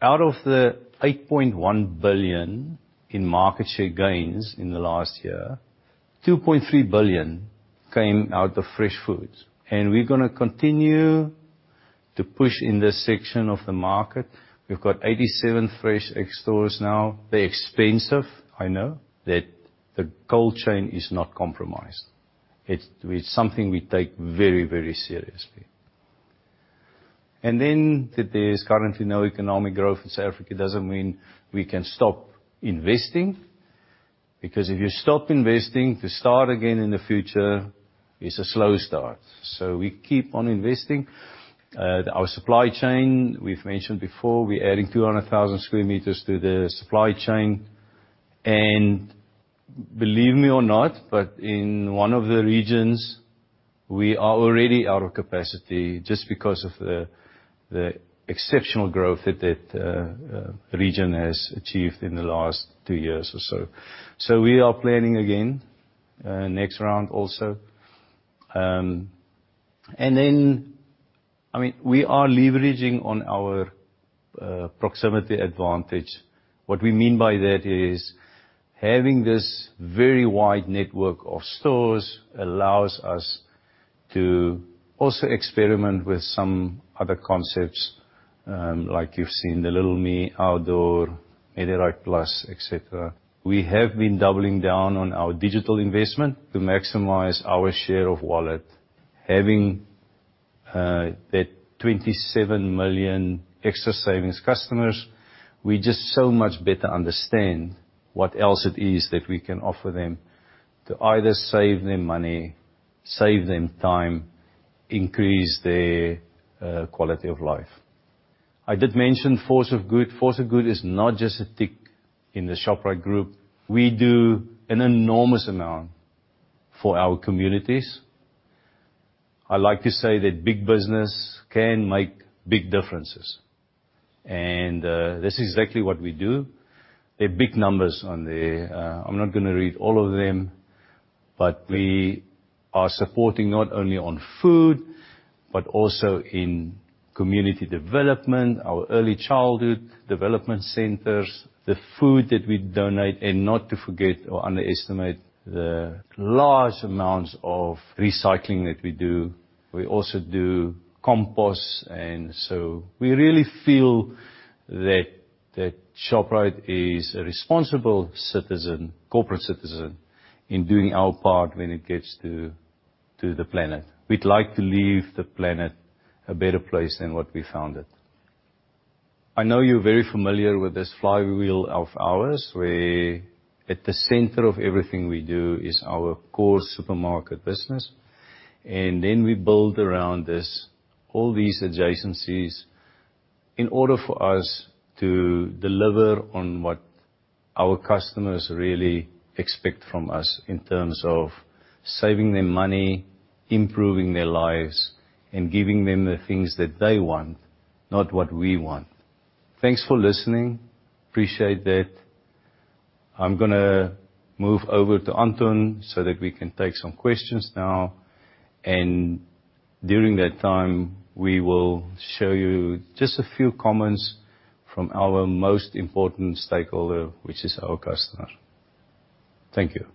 Out of the 8.1 billion in market share gains in the last year, 2.3 billion came out of fresh foods, and we're gonna continue to push in this section of the market. We've got 87 FreshX stores now. They're expensive, I know that the cold chain is not compromised. It's, it's something we take very, very seriously. That there's currently no economic growth in South Africa doesn't mean we can stop investing, because if you stop investing, to start again in the future is a slow start. So we keep on investing. Our supply chain, we've mentioned before, we're adding 200,000 square meters to the supply chain. And believe me or not, but in one of the regions, we are already out of capacity just because of the exceptional growth that region has achieved in the last two years or so. So we are planning again, next round also. I mean, we are leveraging on our proximity advantage. What we mean by that is, having this very wide network of stores allows us to also experiment with some other concepts, like you've seen the Little Me, Outdoor, MediRite Plus, et cetera. We have been doubling down on our digital investment to maximize our share of wallet. Having that 27 million Xtra Savings customers, we just so much better understand what else it is that we can offer them to either save them money, save them time, increase their quality of life. I did mention Force for Good. Force for Good is not just a tick in the Shoprite Group. We do an enormous amount for our communities. I like to say that big business can make big differences, and this is exactly what we do. There are big numbers on there. I'm not gonna read all of them, but we are supporting not only on food, but also in community development, our early childhood development centers, the food that we donate, and not to forget or underestimate the large amounts of recycling that we do. We also do compost, and so we really feel that Shoprite is a responsible citizen, corporate citizen, in doing our part when it gets to the planet. We'd like to leave the planet a better place than what we found it. I know you're very familiar with this flywheel of ours, where at the center of everything we do is our core supermarket business, and then we build around this, all these adjacencies, in order for us to deliver on what our customers really expect from us in terms of saving them money, improving their lives, and giving them the things that they want, not what we want. Thanks for listening. Appreciate that. I'm gonna move over to Anton so that we can take some questions now, and during that time, we will show you just a few comments from our most important stakeholder, which is our customer. Thank you.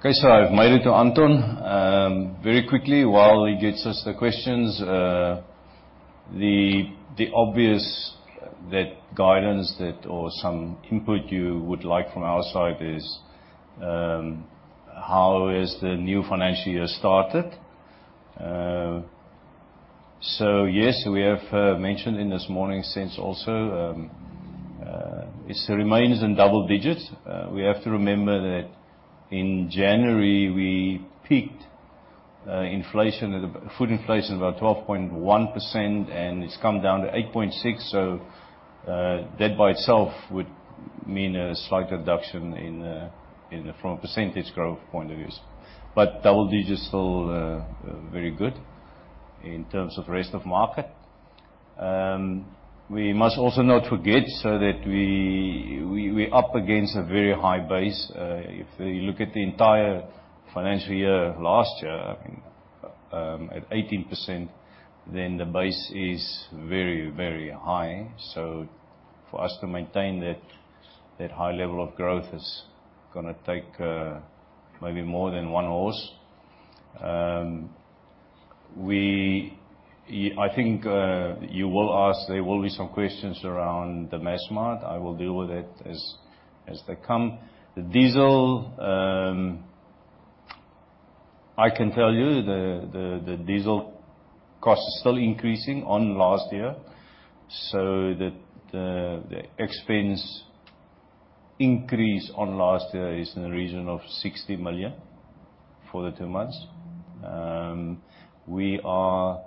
Okay, so I've made it to Anton. Very quickly, while he gets us the questions, the obvious, that guidance that or some input you would like from our side is, how has the new financial year started? So yes, we have mentioned in this morning's session also, it still remains in double digits. We have to remember that in January we peaked inflation at about—food inflation, about 12.1%, and it's come down to 8.6%. So, that by itself would mean a slight reduction in, from a percentage growth point of view. But double digits is still very good in terms of rest of market. We must also not forget, so that we, we're up against a very high base. If you look at the entire financial year, last year, I mean, at 18%, then the base is very, very high. So for us to maintain that high level of growth is gonna take maybe more than one horse. I think you will ask... There will be some questions around Massmart. I will deal with that as they come. The diesel cost is still increasing on last year, so the expense increase on last year is in the region of 60 million for the two months. We are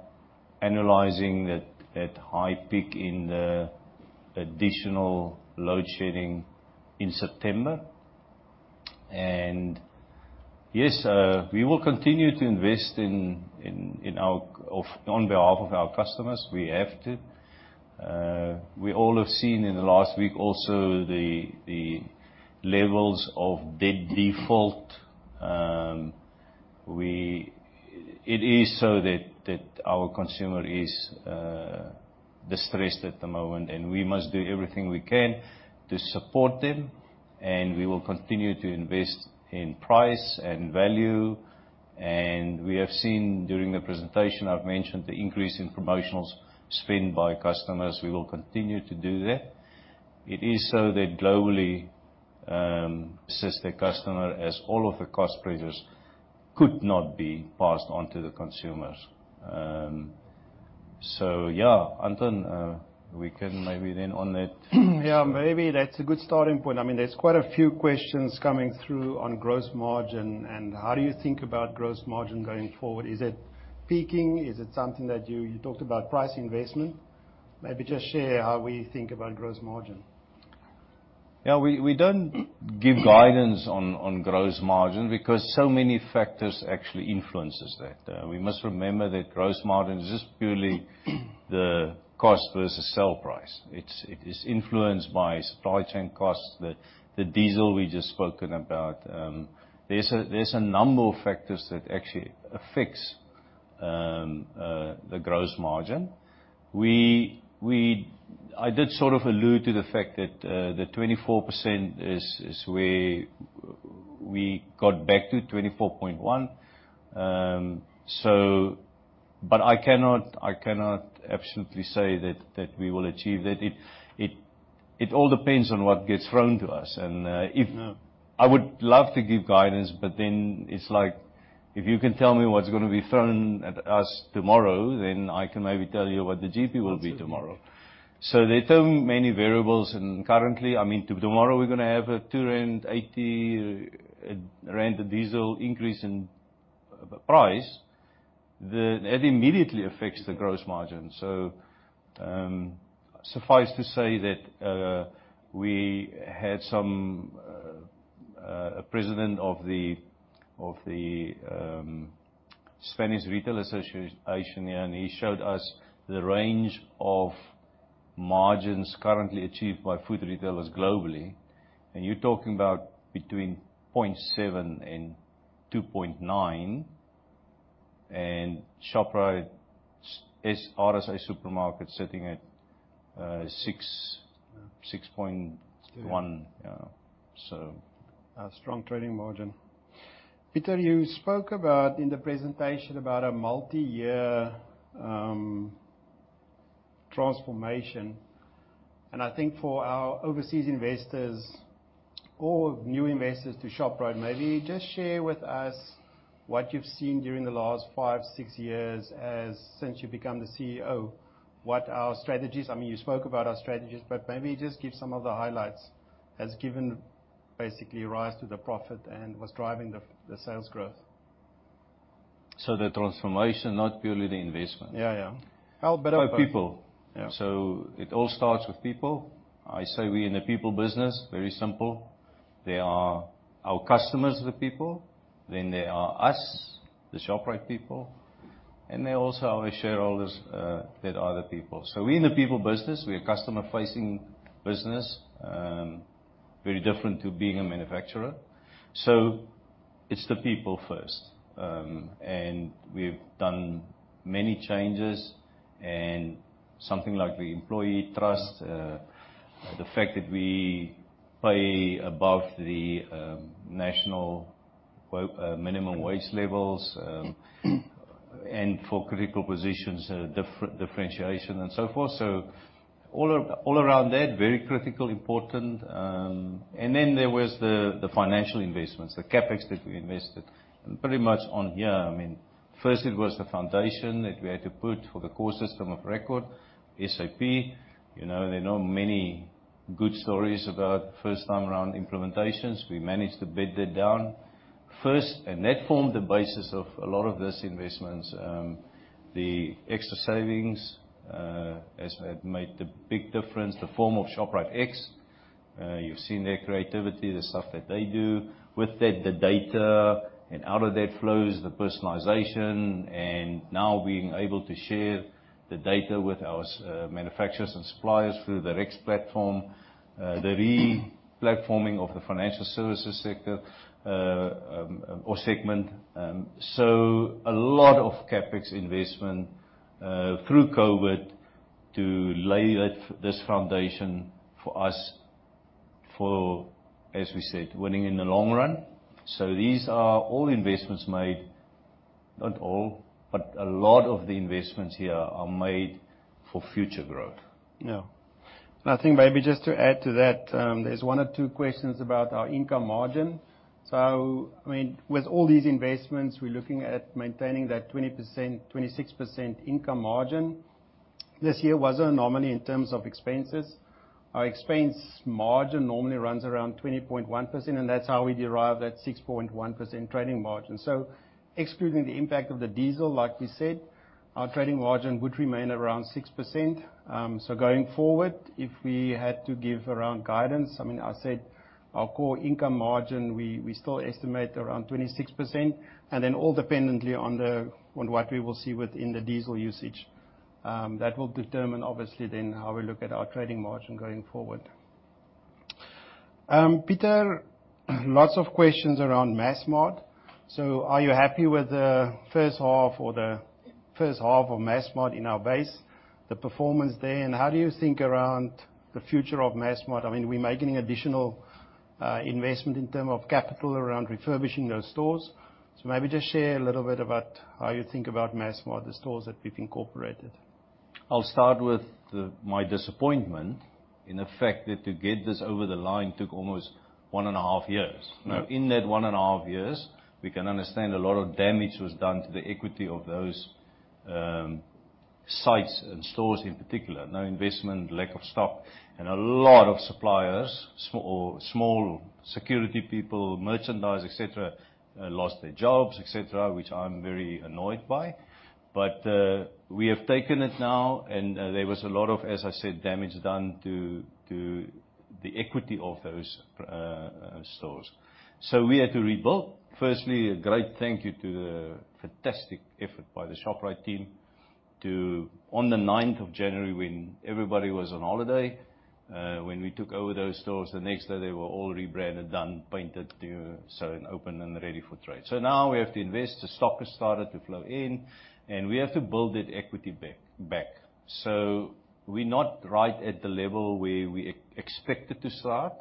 analyzing that high peak in the additional load shedding in September. And yes, we will continue to invest in on behalf of our customers. We have to. We all have seen in the last week also, the levels of debt default. It is so that our consumer is distressed at the moment, and we must do everything we can to support them, and we will continue to invest in price and value. And we have seen, during the presentation, I've mentioned the increase in promotionals spend by customers. We will continue to do that. It is so that globally, assist the customer, as all of the cost pressures could not be passed on to the consumers. So, yeah, Anton, we can maybe then on that? Yeah, maybe that's a good starting point. I mean, there's quite a few questions coming through on gross margin, and how do you think about gross margin going forward? Is it peaking? Is it something that you... You talked about price investment. Maybe just share how we think about gross margin. Yeah, we don't give guidance on gross margin, because so many factors actually influences that. We must remember that gross margin is just purely the cost versus sell price. It is influenced by supply chain costs, the diesel we just spoken about. There's a number of factors that actually affects the gross margin. We... I did sort of allude to the fact that the 24% is where we got back to, 24.1%. But I cannot absolutely say that we will achieve that. It all depends on what gets thrown to us. I would love to give guidance, but then it's like, if you can tell me what's gonna be thrown at us tomorrow, then I can maybe tell you what the GP will be tomorrow. Absolutely. So there are so many variables, and currently, I mean, to tomorrow, we're gonna have a 2.80 rand diesel increase in price. That immediately affects the gross margin. So, suffice to say that we had a president of the Spanish Retail Association here, and he showed us the range of margins currently achieved by food retailers globally. And you're talking about between 0.7% and 2.9%, and Shoprite's RSA supermarket sitting at 6.1 so. A strong trading margin. Pieter, you spoke about, in the presentation, about a multi-year transformation, and I think for our overseas investors or new investors to Shoprite, maybe just share with us what you've seen during the last five, six years, as since you've become the CEO, what are our strategies? I mean, you spoke about our strategies, but maybe just give some of the highlights, has given basically a rise to the profit and what's driving the sales growth. The transformation, not purely the investment? Yeah, yeah. How about both? By people. Yeah. So it all starts with people. I say we're in the people business, very simple. There are our customers are the people, then there are us, the Shoprite people... and they also are our shareholders, they are the people. So we're in the people business, we're a customer-facing business, very different to being a manufacturer. So it's the people first. And we've done many changes, and something like the employee trust, the fact that we pay above the national minimum wage levels, and for critical positions, differentiation, and so forth. So all around that, very critical, important. And then there was the financial investments, the CapEx that we invested. And pretty much on here, I mean, first it was the foundation that we had to put for the core system of record, SAP. You know, there are not many good stories about first-time around implementations. We managed to bed that down first, and that formed the basis of a lot of this investments. The Xtra Savings have made a big difference. The form of ShopriteX, you've seen their creativity, the stuff that they do. With that, the data, and out of that flows the personalization, and now being able to share the data with our manufacturers and suppliers through the Rex platform. The re-platforming of the financial services sector or segment. So a lot of CapEx investment through COVID to lay this foundation for us for, as we said, winning in the long run. So these are all investments made. Not all, but a lot of the investments here are made for future growth. Yeah. I think maybe just to add to that, there's one or two questions about our income margin. So I mean, with all these investments, we're looking at maintaining that 26% income margin. This year was an anomaly in terms of expenses. Our expense margin normally runs around 20.1%, and that's how we derive that 6.1% trading margin. So excluding the impact of the diesel, like we said, our trading margin would remain around 6%. So going forward, if we had to give any guidance, I mean, I said our core income margin, we, we still estimate around 26%, and then depending on what we will see within the diesel usage, that will determine obviously then how we look at our trading margin going forward. Pieter, lots of questions around Massmart. So are you happy with the first half or the first half of Massmart in our base, the performance there, and how do you think around the future of Massmart? I mean, we're making additional investment in terms of capital around refurbishing those stores. So maybe just share a little bit about how you think about Massmart, the stores that we've incorporated. I'll start with my disappointment in the fact that to get this over the line took almost one and a half years. Now, in that one and a half years, we can understand a lot of damage was done to the equity of those sites and stores in particular. No investment, lack of stock, and a lot of suppliers, or small security people, merchandise, et cetera, lost their jobs, et cetera, which I'm very annoyed by. But we have taken it now, and there was a lot of, as I said, damage done to the equity of those stores. So we had to rebuild. Firstly, a great thank you to the fantastic effort by the Shoprite team to. On the 9th of January, when everybody was on holiday, when we took over those stores, the next day, they were all rebranded, done, painted, so and open and ready for trade. So now we have to invest. The stock has started to flow in, and we have to build that equity back, back. So we're not right at the level where we expected to start,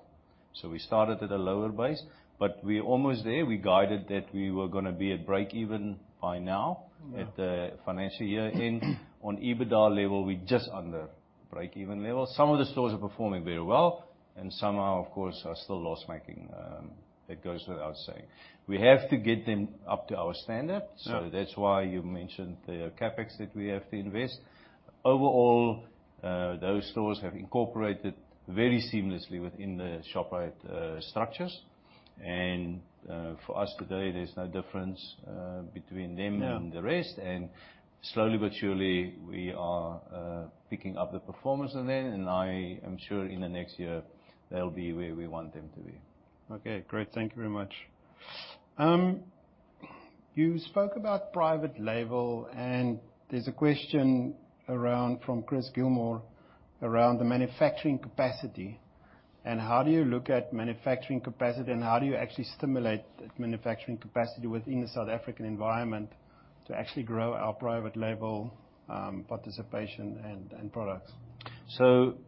so we started at a lower base, but we're almost there. We guided that we were gonna be at breakeven by now at the financial year end. On EBITDA level, we're just under breakeven level. Some of the stores are performing very well, and some are, of course, still loss-making. It goes without saying. We have to get them up to our standard, so that's why you mentioned the CapEx that we have to invest. Overall, those stores have incorporated very seamlessly within the Shoprite structures. And, for us today, there's no difference between them and the rest, and slowly but surely, we are picking up the performance in them, and I am sure in the next year, they'll be where we want them to be. Okay, great. Thank you very much. You spoke about private label, and there's a question around, from Chris Gilmour, around the manufacturing capacity. And how do you look at manufacturing capacity, and how do you actually stimulate the manufacturing capacity within the South African environment to actually grow our private label participation and, and products? So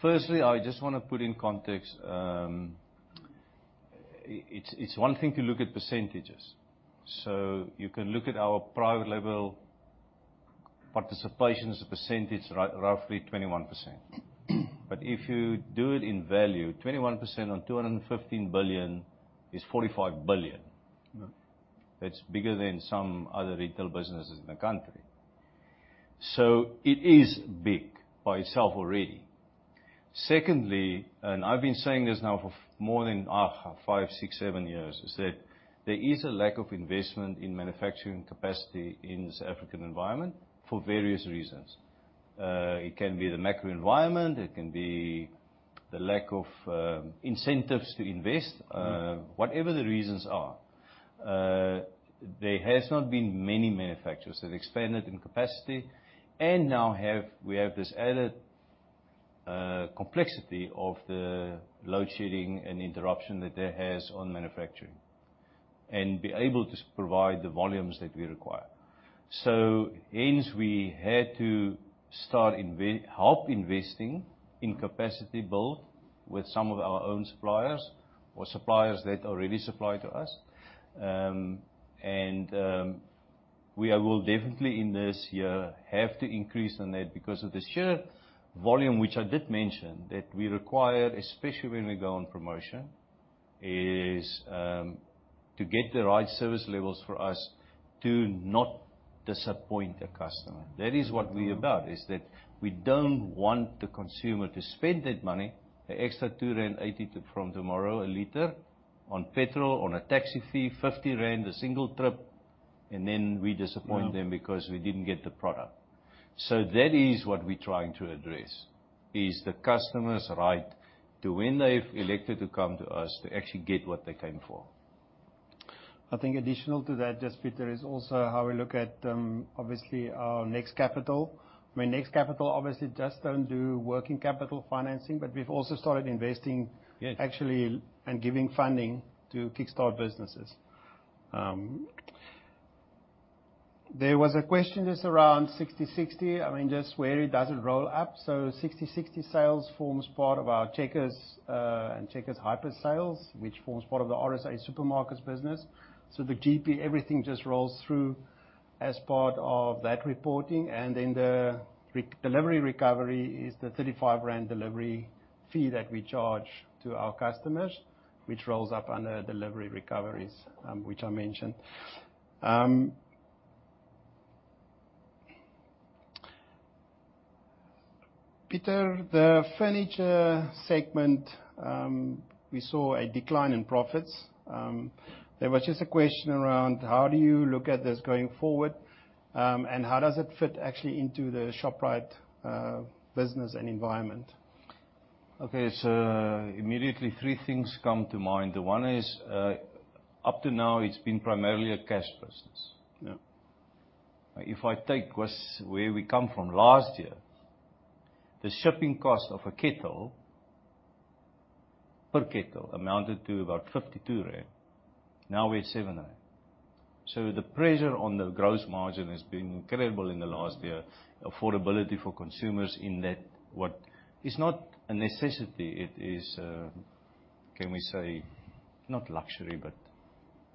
firstly, I just wanna put in context, it's one thing to look at percentages. So you can look at our private label participation as a percentage, roughly 21%. But if you do it in value, 21% on 215 billion is 45 billion. That's bigger than some other retail businesses in the country. So it is big by itself already. Secondly, and I've been saying this now for more than five, six, seven years, is that there is a lack of investment in manufacturing capacity in the South African environment for various reasons. It can be the macro environment, it can be the lack of incentives to invest. Whatever the reasons are, there has not been many manufacturers that expanded in capacity, and now we have this added complexity of the load shedding and interruption that that has on manufacturing, and be able to provide the volumes that we require. So hence, we had to start help investing in capacity build with some of our own suppliers, or suppliers that already supply to us. And we will definitely, in this year, have to increase on that, because of the sheer volume, which I did mention, that we require, especially when we go on promotion, is to get the right service levels for us, to not disappoint a customer. That is what we're about, is that we don't want the consumer to spend that money, the extra 2.80 rand from tomorrow a liter on petrol, on a taxi fee, 50 rand a single trip, and then we disappoint them because we didn't get the product. So that is what we're trying to address, is the customer's right to when they've elected to come to us, to actually get what they came for. I think additional to that, just, Pieter, is also how we look at, obviously, our Next Capital. I mean, Next Capital obviously just don't do working capital financing, but we've also started investing actually, and giving funding to kickstart businesses. There was a question just around Sixty60. I mean, just where it doesn't roll up. So Sixty60 sales forms part of our Checkers, and Checkers Hyper sales, which forms part of the RSA Supermarkets business. So the GP, everything just rolls through as part of that reporting, and then the delivery recovery is the 35 rand delivery fee that we charge to our customers, which rolls up under delivery recoveries, which I mentioned. Pieter, the furniture segment, we saw a decline in profits. There was just a question around: How do you look at this going forward, and how does it fit actually into the Shoprite business and environment? Okay, so immediately, three things come to mind. The one is, up to now, it's been primarily a cash business. If I take where we come from last year, the shipping cost of a kettle, per kettle, amounted to about 52 rand, now we're at 7 rand. So the pressure on the gross margin has been incredible in the last year. Affordability for consumers in that what is not a necessity, it is, can we say, not luxury, but...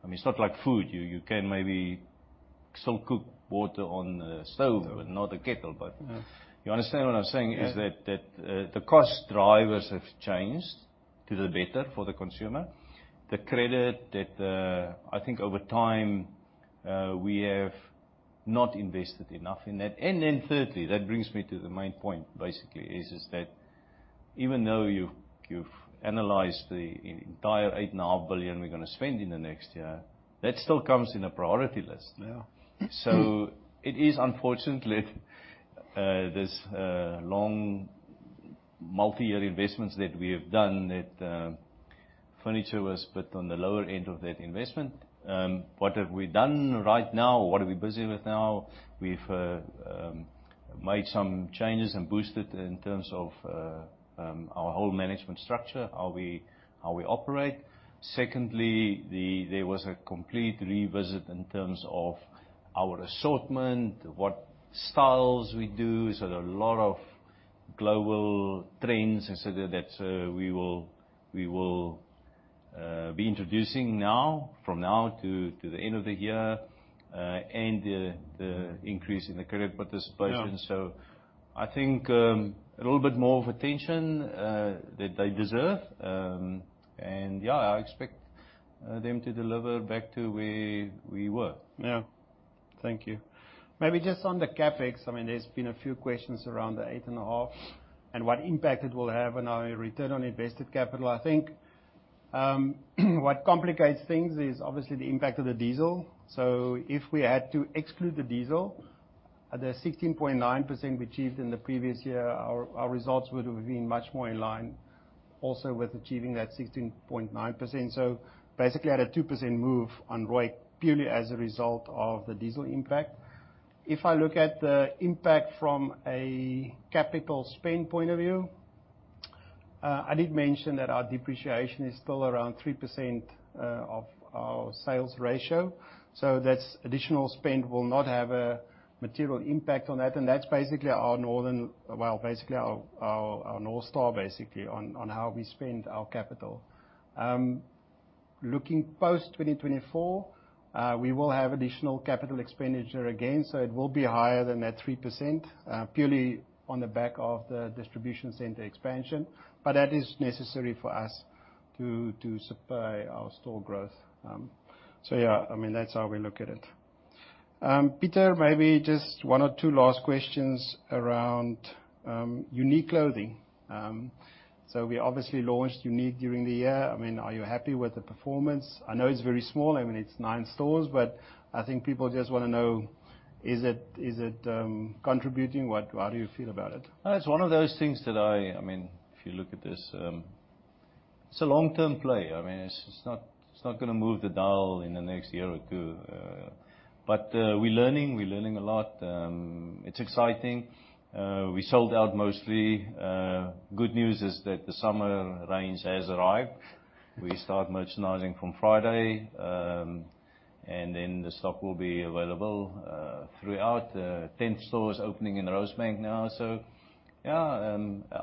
I mean, it's not like food, you can maybe still cook water on the stove and not a kettle, but you understand what I'm saying is that the cost drivers have changed for the better for the consumer. The credit that, I think over time, we have not invested enough in that. And then thirdly, that brings me to the main point, basically, is that even though you've analyzed the entire 8.5 billion we're gonna spend in the next year, that still comes in a priority list. So it is unfortunately this long multi-year investments that we have done, that furniture was put on the lower end of that investment. What have we done right now, or what are we busy with now? We've made some changes and boosted in terms of our whole management structure, how we, how we operate. Secondly, there was a complete revisit in terms of our assortment, what styles we do. So there are a lot of global trends and so that we will, we will, be introducing now, from now to the end of the year, and the increase in the credit participation. So I think a little bit more of attention that they deserve. Yeah, I expect them to deliver back to where we were. Yeah. Thank you. Maybe just on the CapEx, I mean, there's been a few questions around the 8.5, and what impact it will have on our return on invested capital. I think, what complicates things is obviously the impact of the diesel. So if we had to exclude the diesel, at the 16.9% we achieved in the previous year, our results would have been much more in line also with achieving that 16.9%. So basically at a 2% move on ROIC, purely as a result of the diesel impact. If I look at the impact from a capital spend point of view, I did mention that our depreciation is still around 3% of our sales ratio, so that's additional spend will not have a material impact on that, and that's basically our North Star, basically, on how we spend our capital. Looking post 2024, we will have additional capital expenditure again, so it will be higher than that 3%, purely on the back of the distribution center expansion, but that is necessary for us to supply our store growth. So yeah, I mean, that's how we look at it. Pieter, maybe just one or two last questions around UNIQ clothing. So we obviously launched UNIQ during the year. I mean, are you happy with the performance? I know it's very small, I mean, it's nine stores, but I think people just wanna know, is it contributing? What, how do you feel about it? It's one of those things that I mean, if you look at this. It's a long-term play. I mean, it's not gonna move the dial in the next year or 2, but we're learning a lot. It's exciting. We sold out mostly. Good news is that the summer range has arrived. We start merchandising from Friday, and then the stock will be available throughout. 10th store is opening in Rosebank now. So yeah,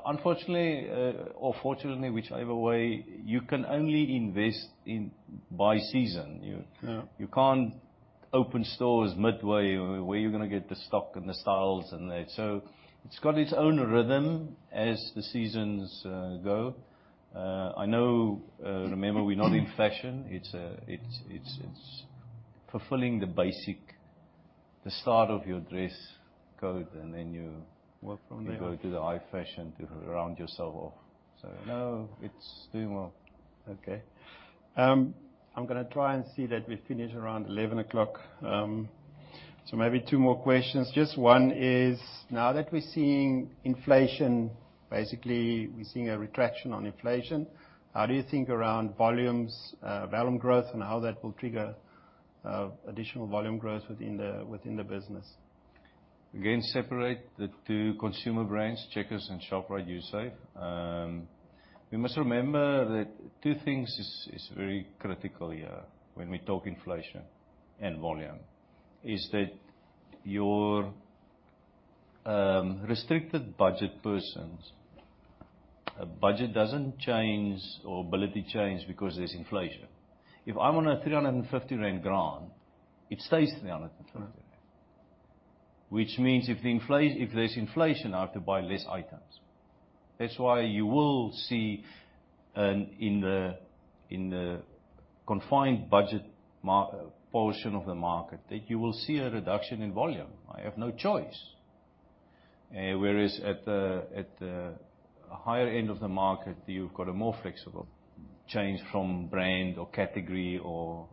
unfortunately, or fortunately, whichever way, you can only invest in by season. You can't open stores midway. Where are you gonna get the stock and the styles and that? So it's got its own rhythm as the seasons go. I know... Remember, we're not in fashion. It's fulfilling the basic, the start of your dress code, and then you go to the high fashion to round yourself off. So no, it's doing well. Okay. I'm gonna try and see that we finish around 11 o'clock. So maybe two more questions. Just one is, now that we're seeing inflation, basically, we're seeing a retraction on inflation, how do you think around volumes, volume growth, and how that will trigger, additional volume growth within the business? Again, separate the two consumer brands, Checkers and Shoprite, Usave. We must remember that two things is very critical here when we talk inflation and volume, is that your restricted budget persons, a budget doesn't change or ability change because there's inflation. If I'm on a 350 rand grant, it stays ZAR 350.Which means if there's inflation, I have to buy less items. That's why you will see in the confined budget portion of the market that you will see a reduction in volume. I have no choice. Whereas at the higher end of the market, you've got a more flexible change from brand or category or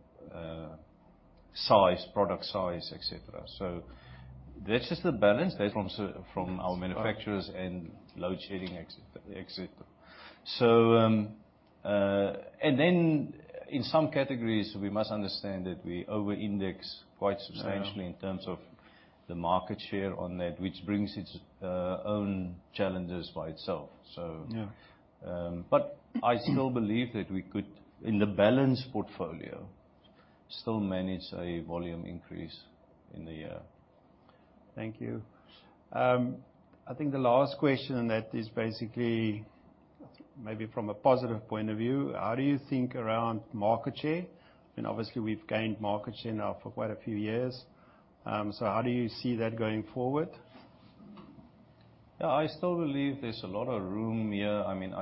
size, product size, et cetera. So that's just the balance that from our manufacturers and load shedding, et cetera, et cetera. And then in some categories, we must understand that we over-index quite substantially in terms of the market share on that, which brings its own challenges by itself. But I still believe that we could, in the balanced portfolio, still manage a volume increase in the year. Thank you. I think the last question, and that is basically maybe from a positive point of view: How do you think around market share? I mean, obviously, we've gained market share now for quite a few years. So how do you see that going forward? Yeah, I still believe there's a lot of room here. I mean,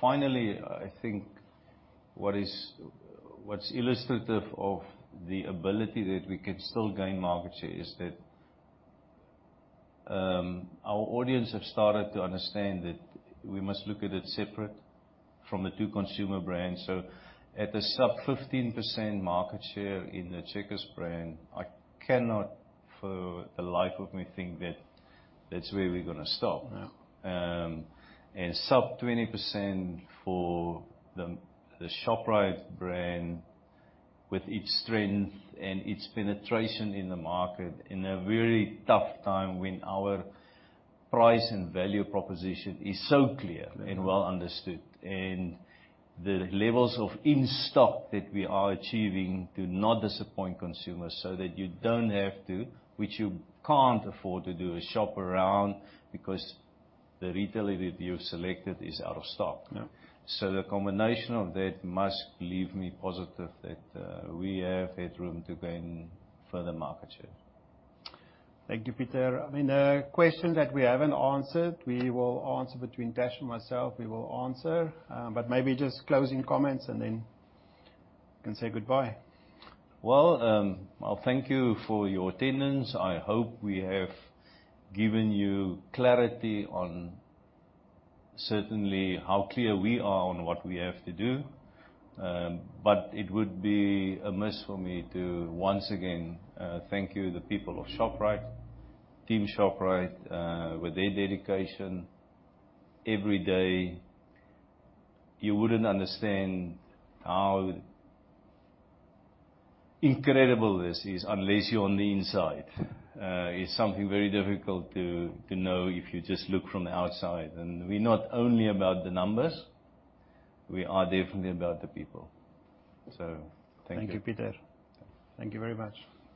finally, I think what's illustrative of the ability that we could still gain market share is that our audience have started to understand that we must look at it separate from the two consumer brands. So at a sub-15% market share in the Checkers brand, I cannot for the life of me think that that's where we're gonna stop sub-20% for the Shoprite brand, with its strength and its penetration in the market in a very tough time when our price and value proposition is so clear and well understood, and the levels of in-stock that we are achieving do not disappoint consumers, so that you don't have to, which you can't afford to do, is shop around because the retailer that you've selected is out of stock. So the combination of that must leave me positive that we have headroom to gain further market share. Thank you, Pieter. I mean, the questions that we haven't answered, we will answer between Tash and myself, we will answer. But maybe just closing comments, and then you can say goodbye. Well, I'll thank you for your attendance. I hope we have given you clarity on certainly how clear we are on what we have to do. But it would be amiss for me to once again thank you, the people of Shoprite, team Shoprite, with their dedication every day. You wouldn't understand how incredible this is unless you're on the inside. It's something very difficult to know if you just look from the outside. And we're not only about the numbers, we are definitely about the people. So thank you. Thank you, Pieter. Thank you very much.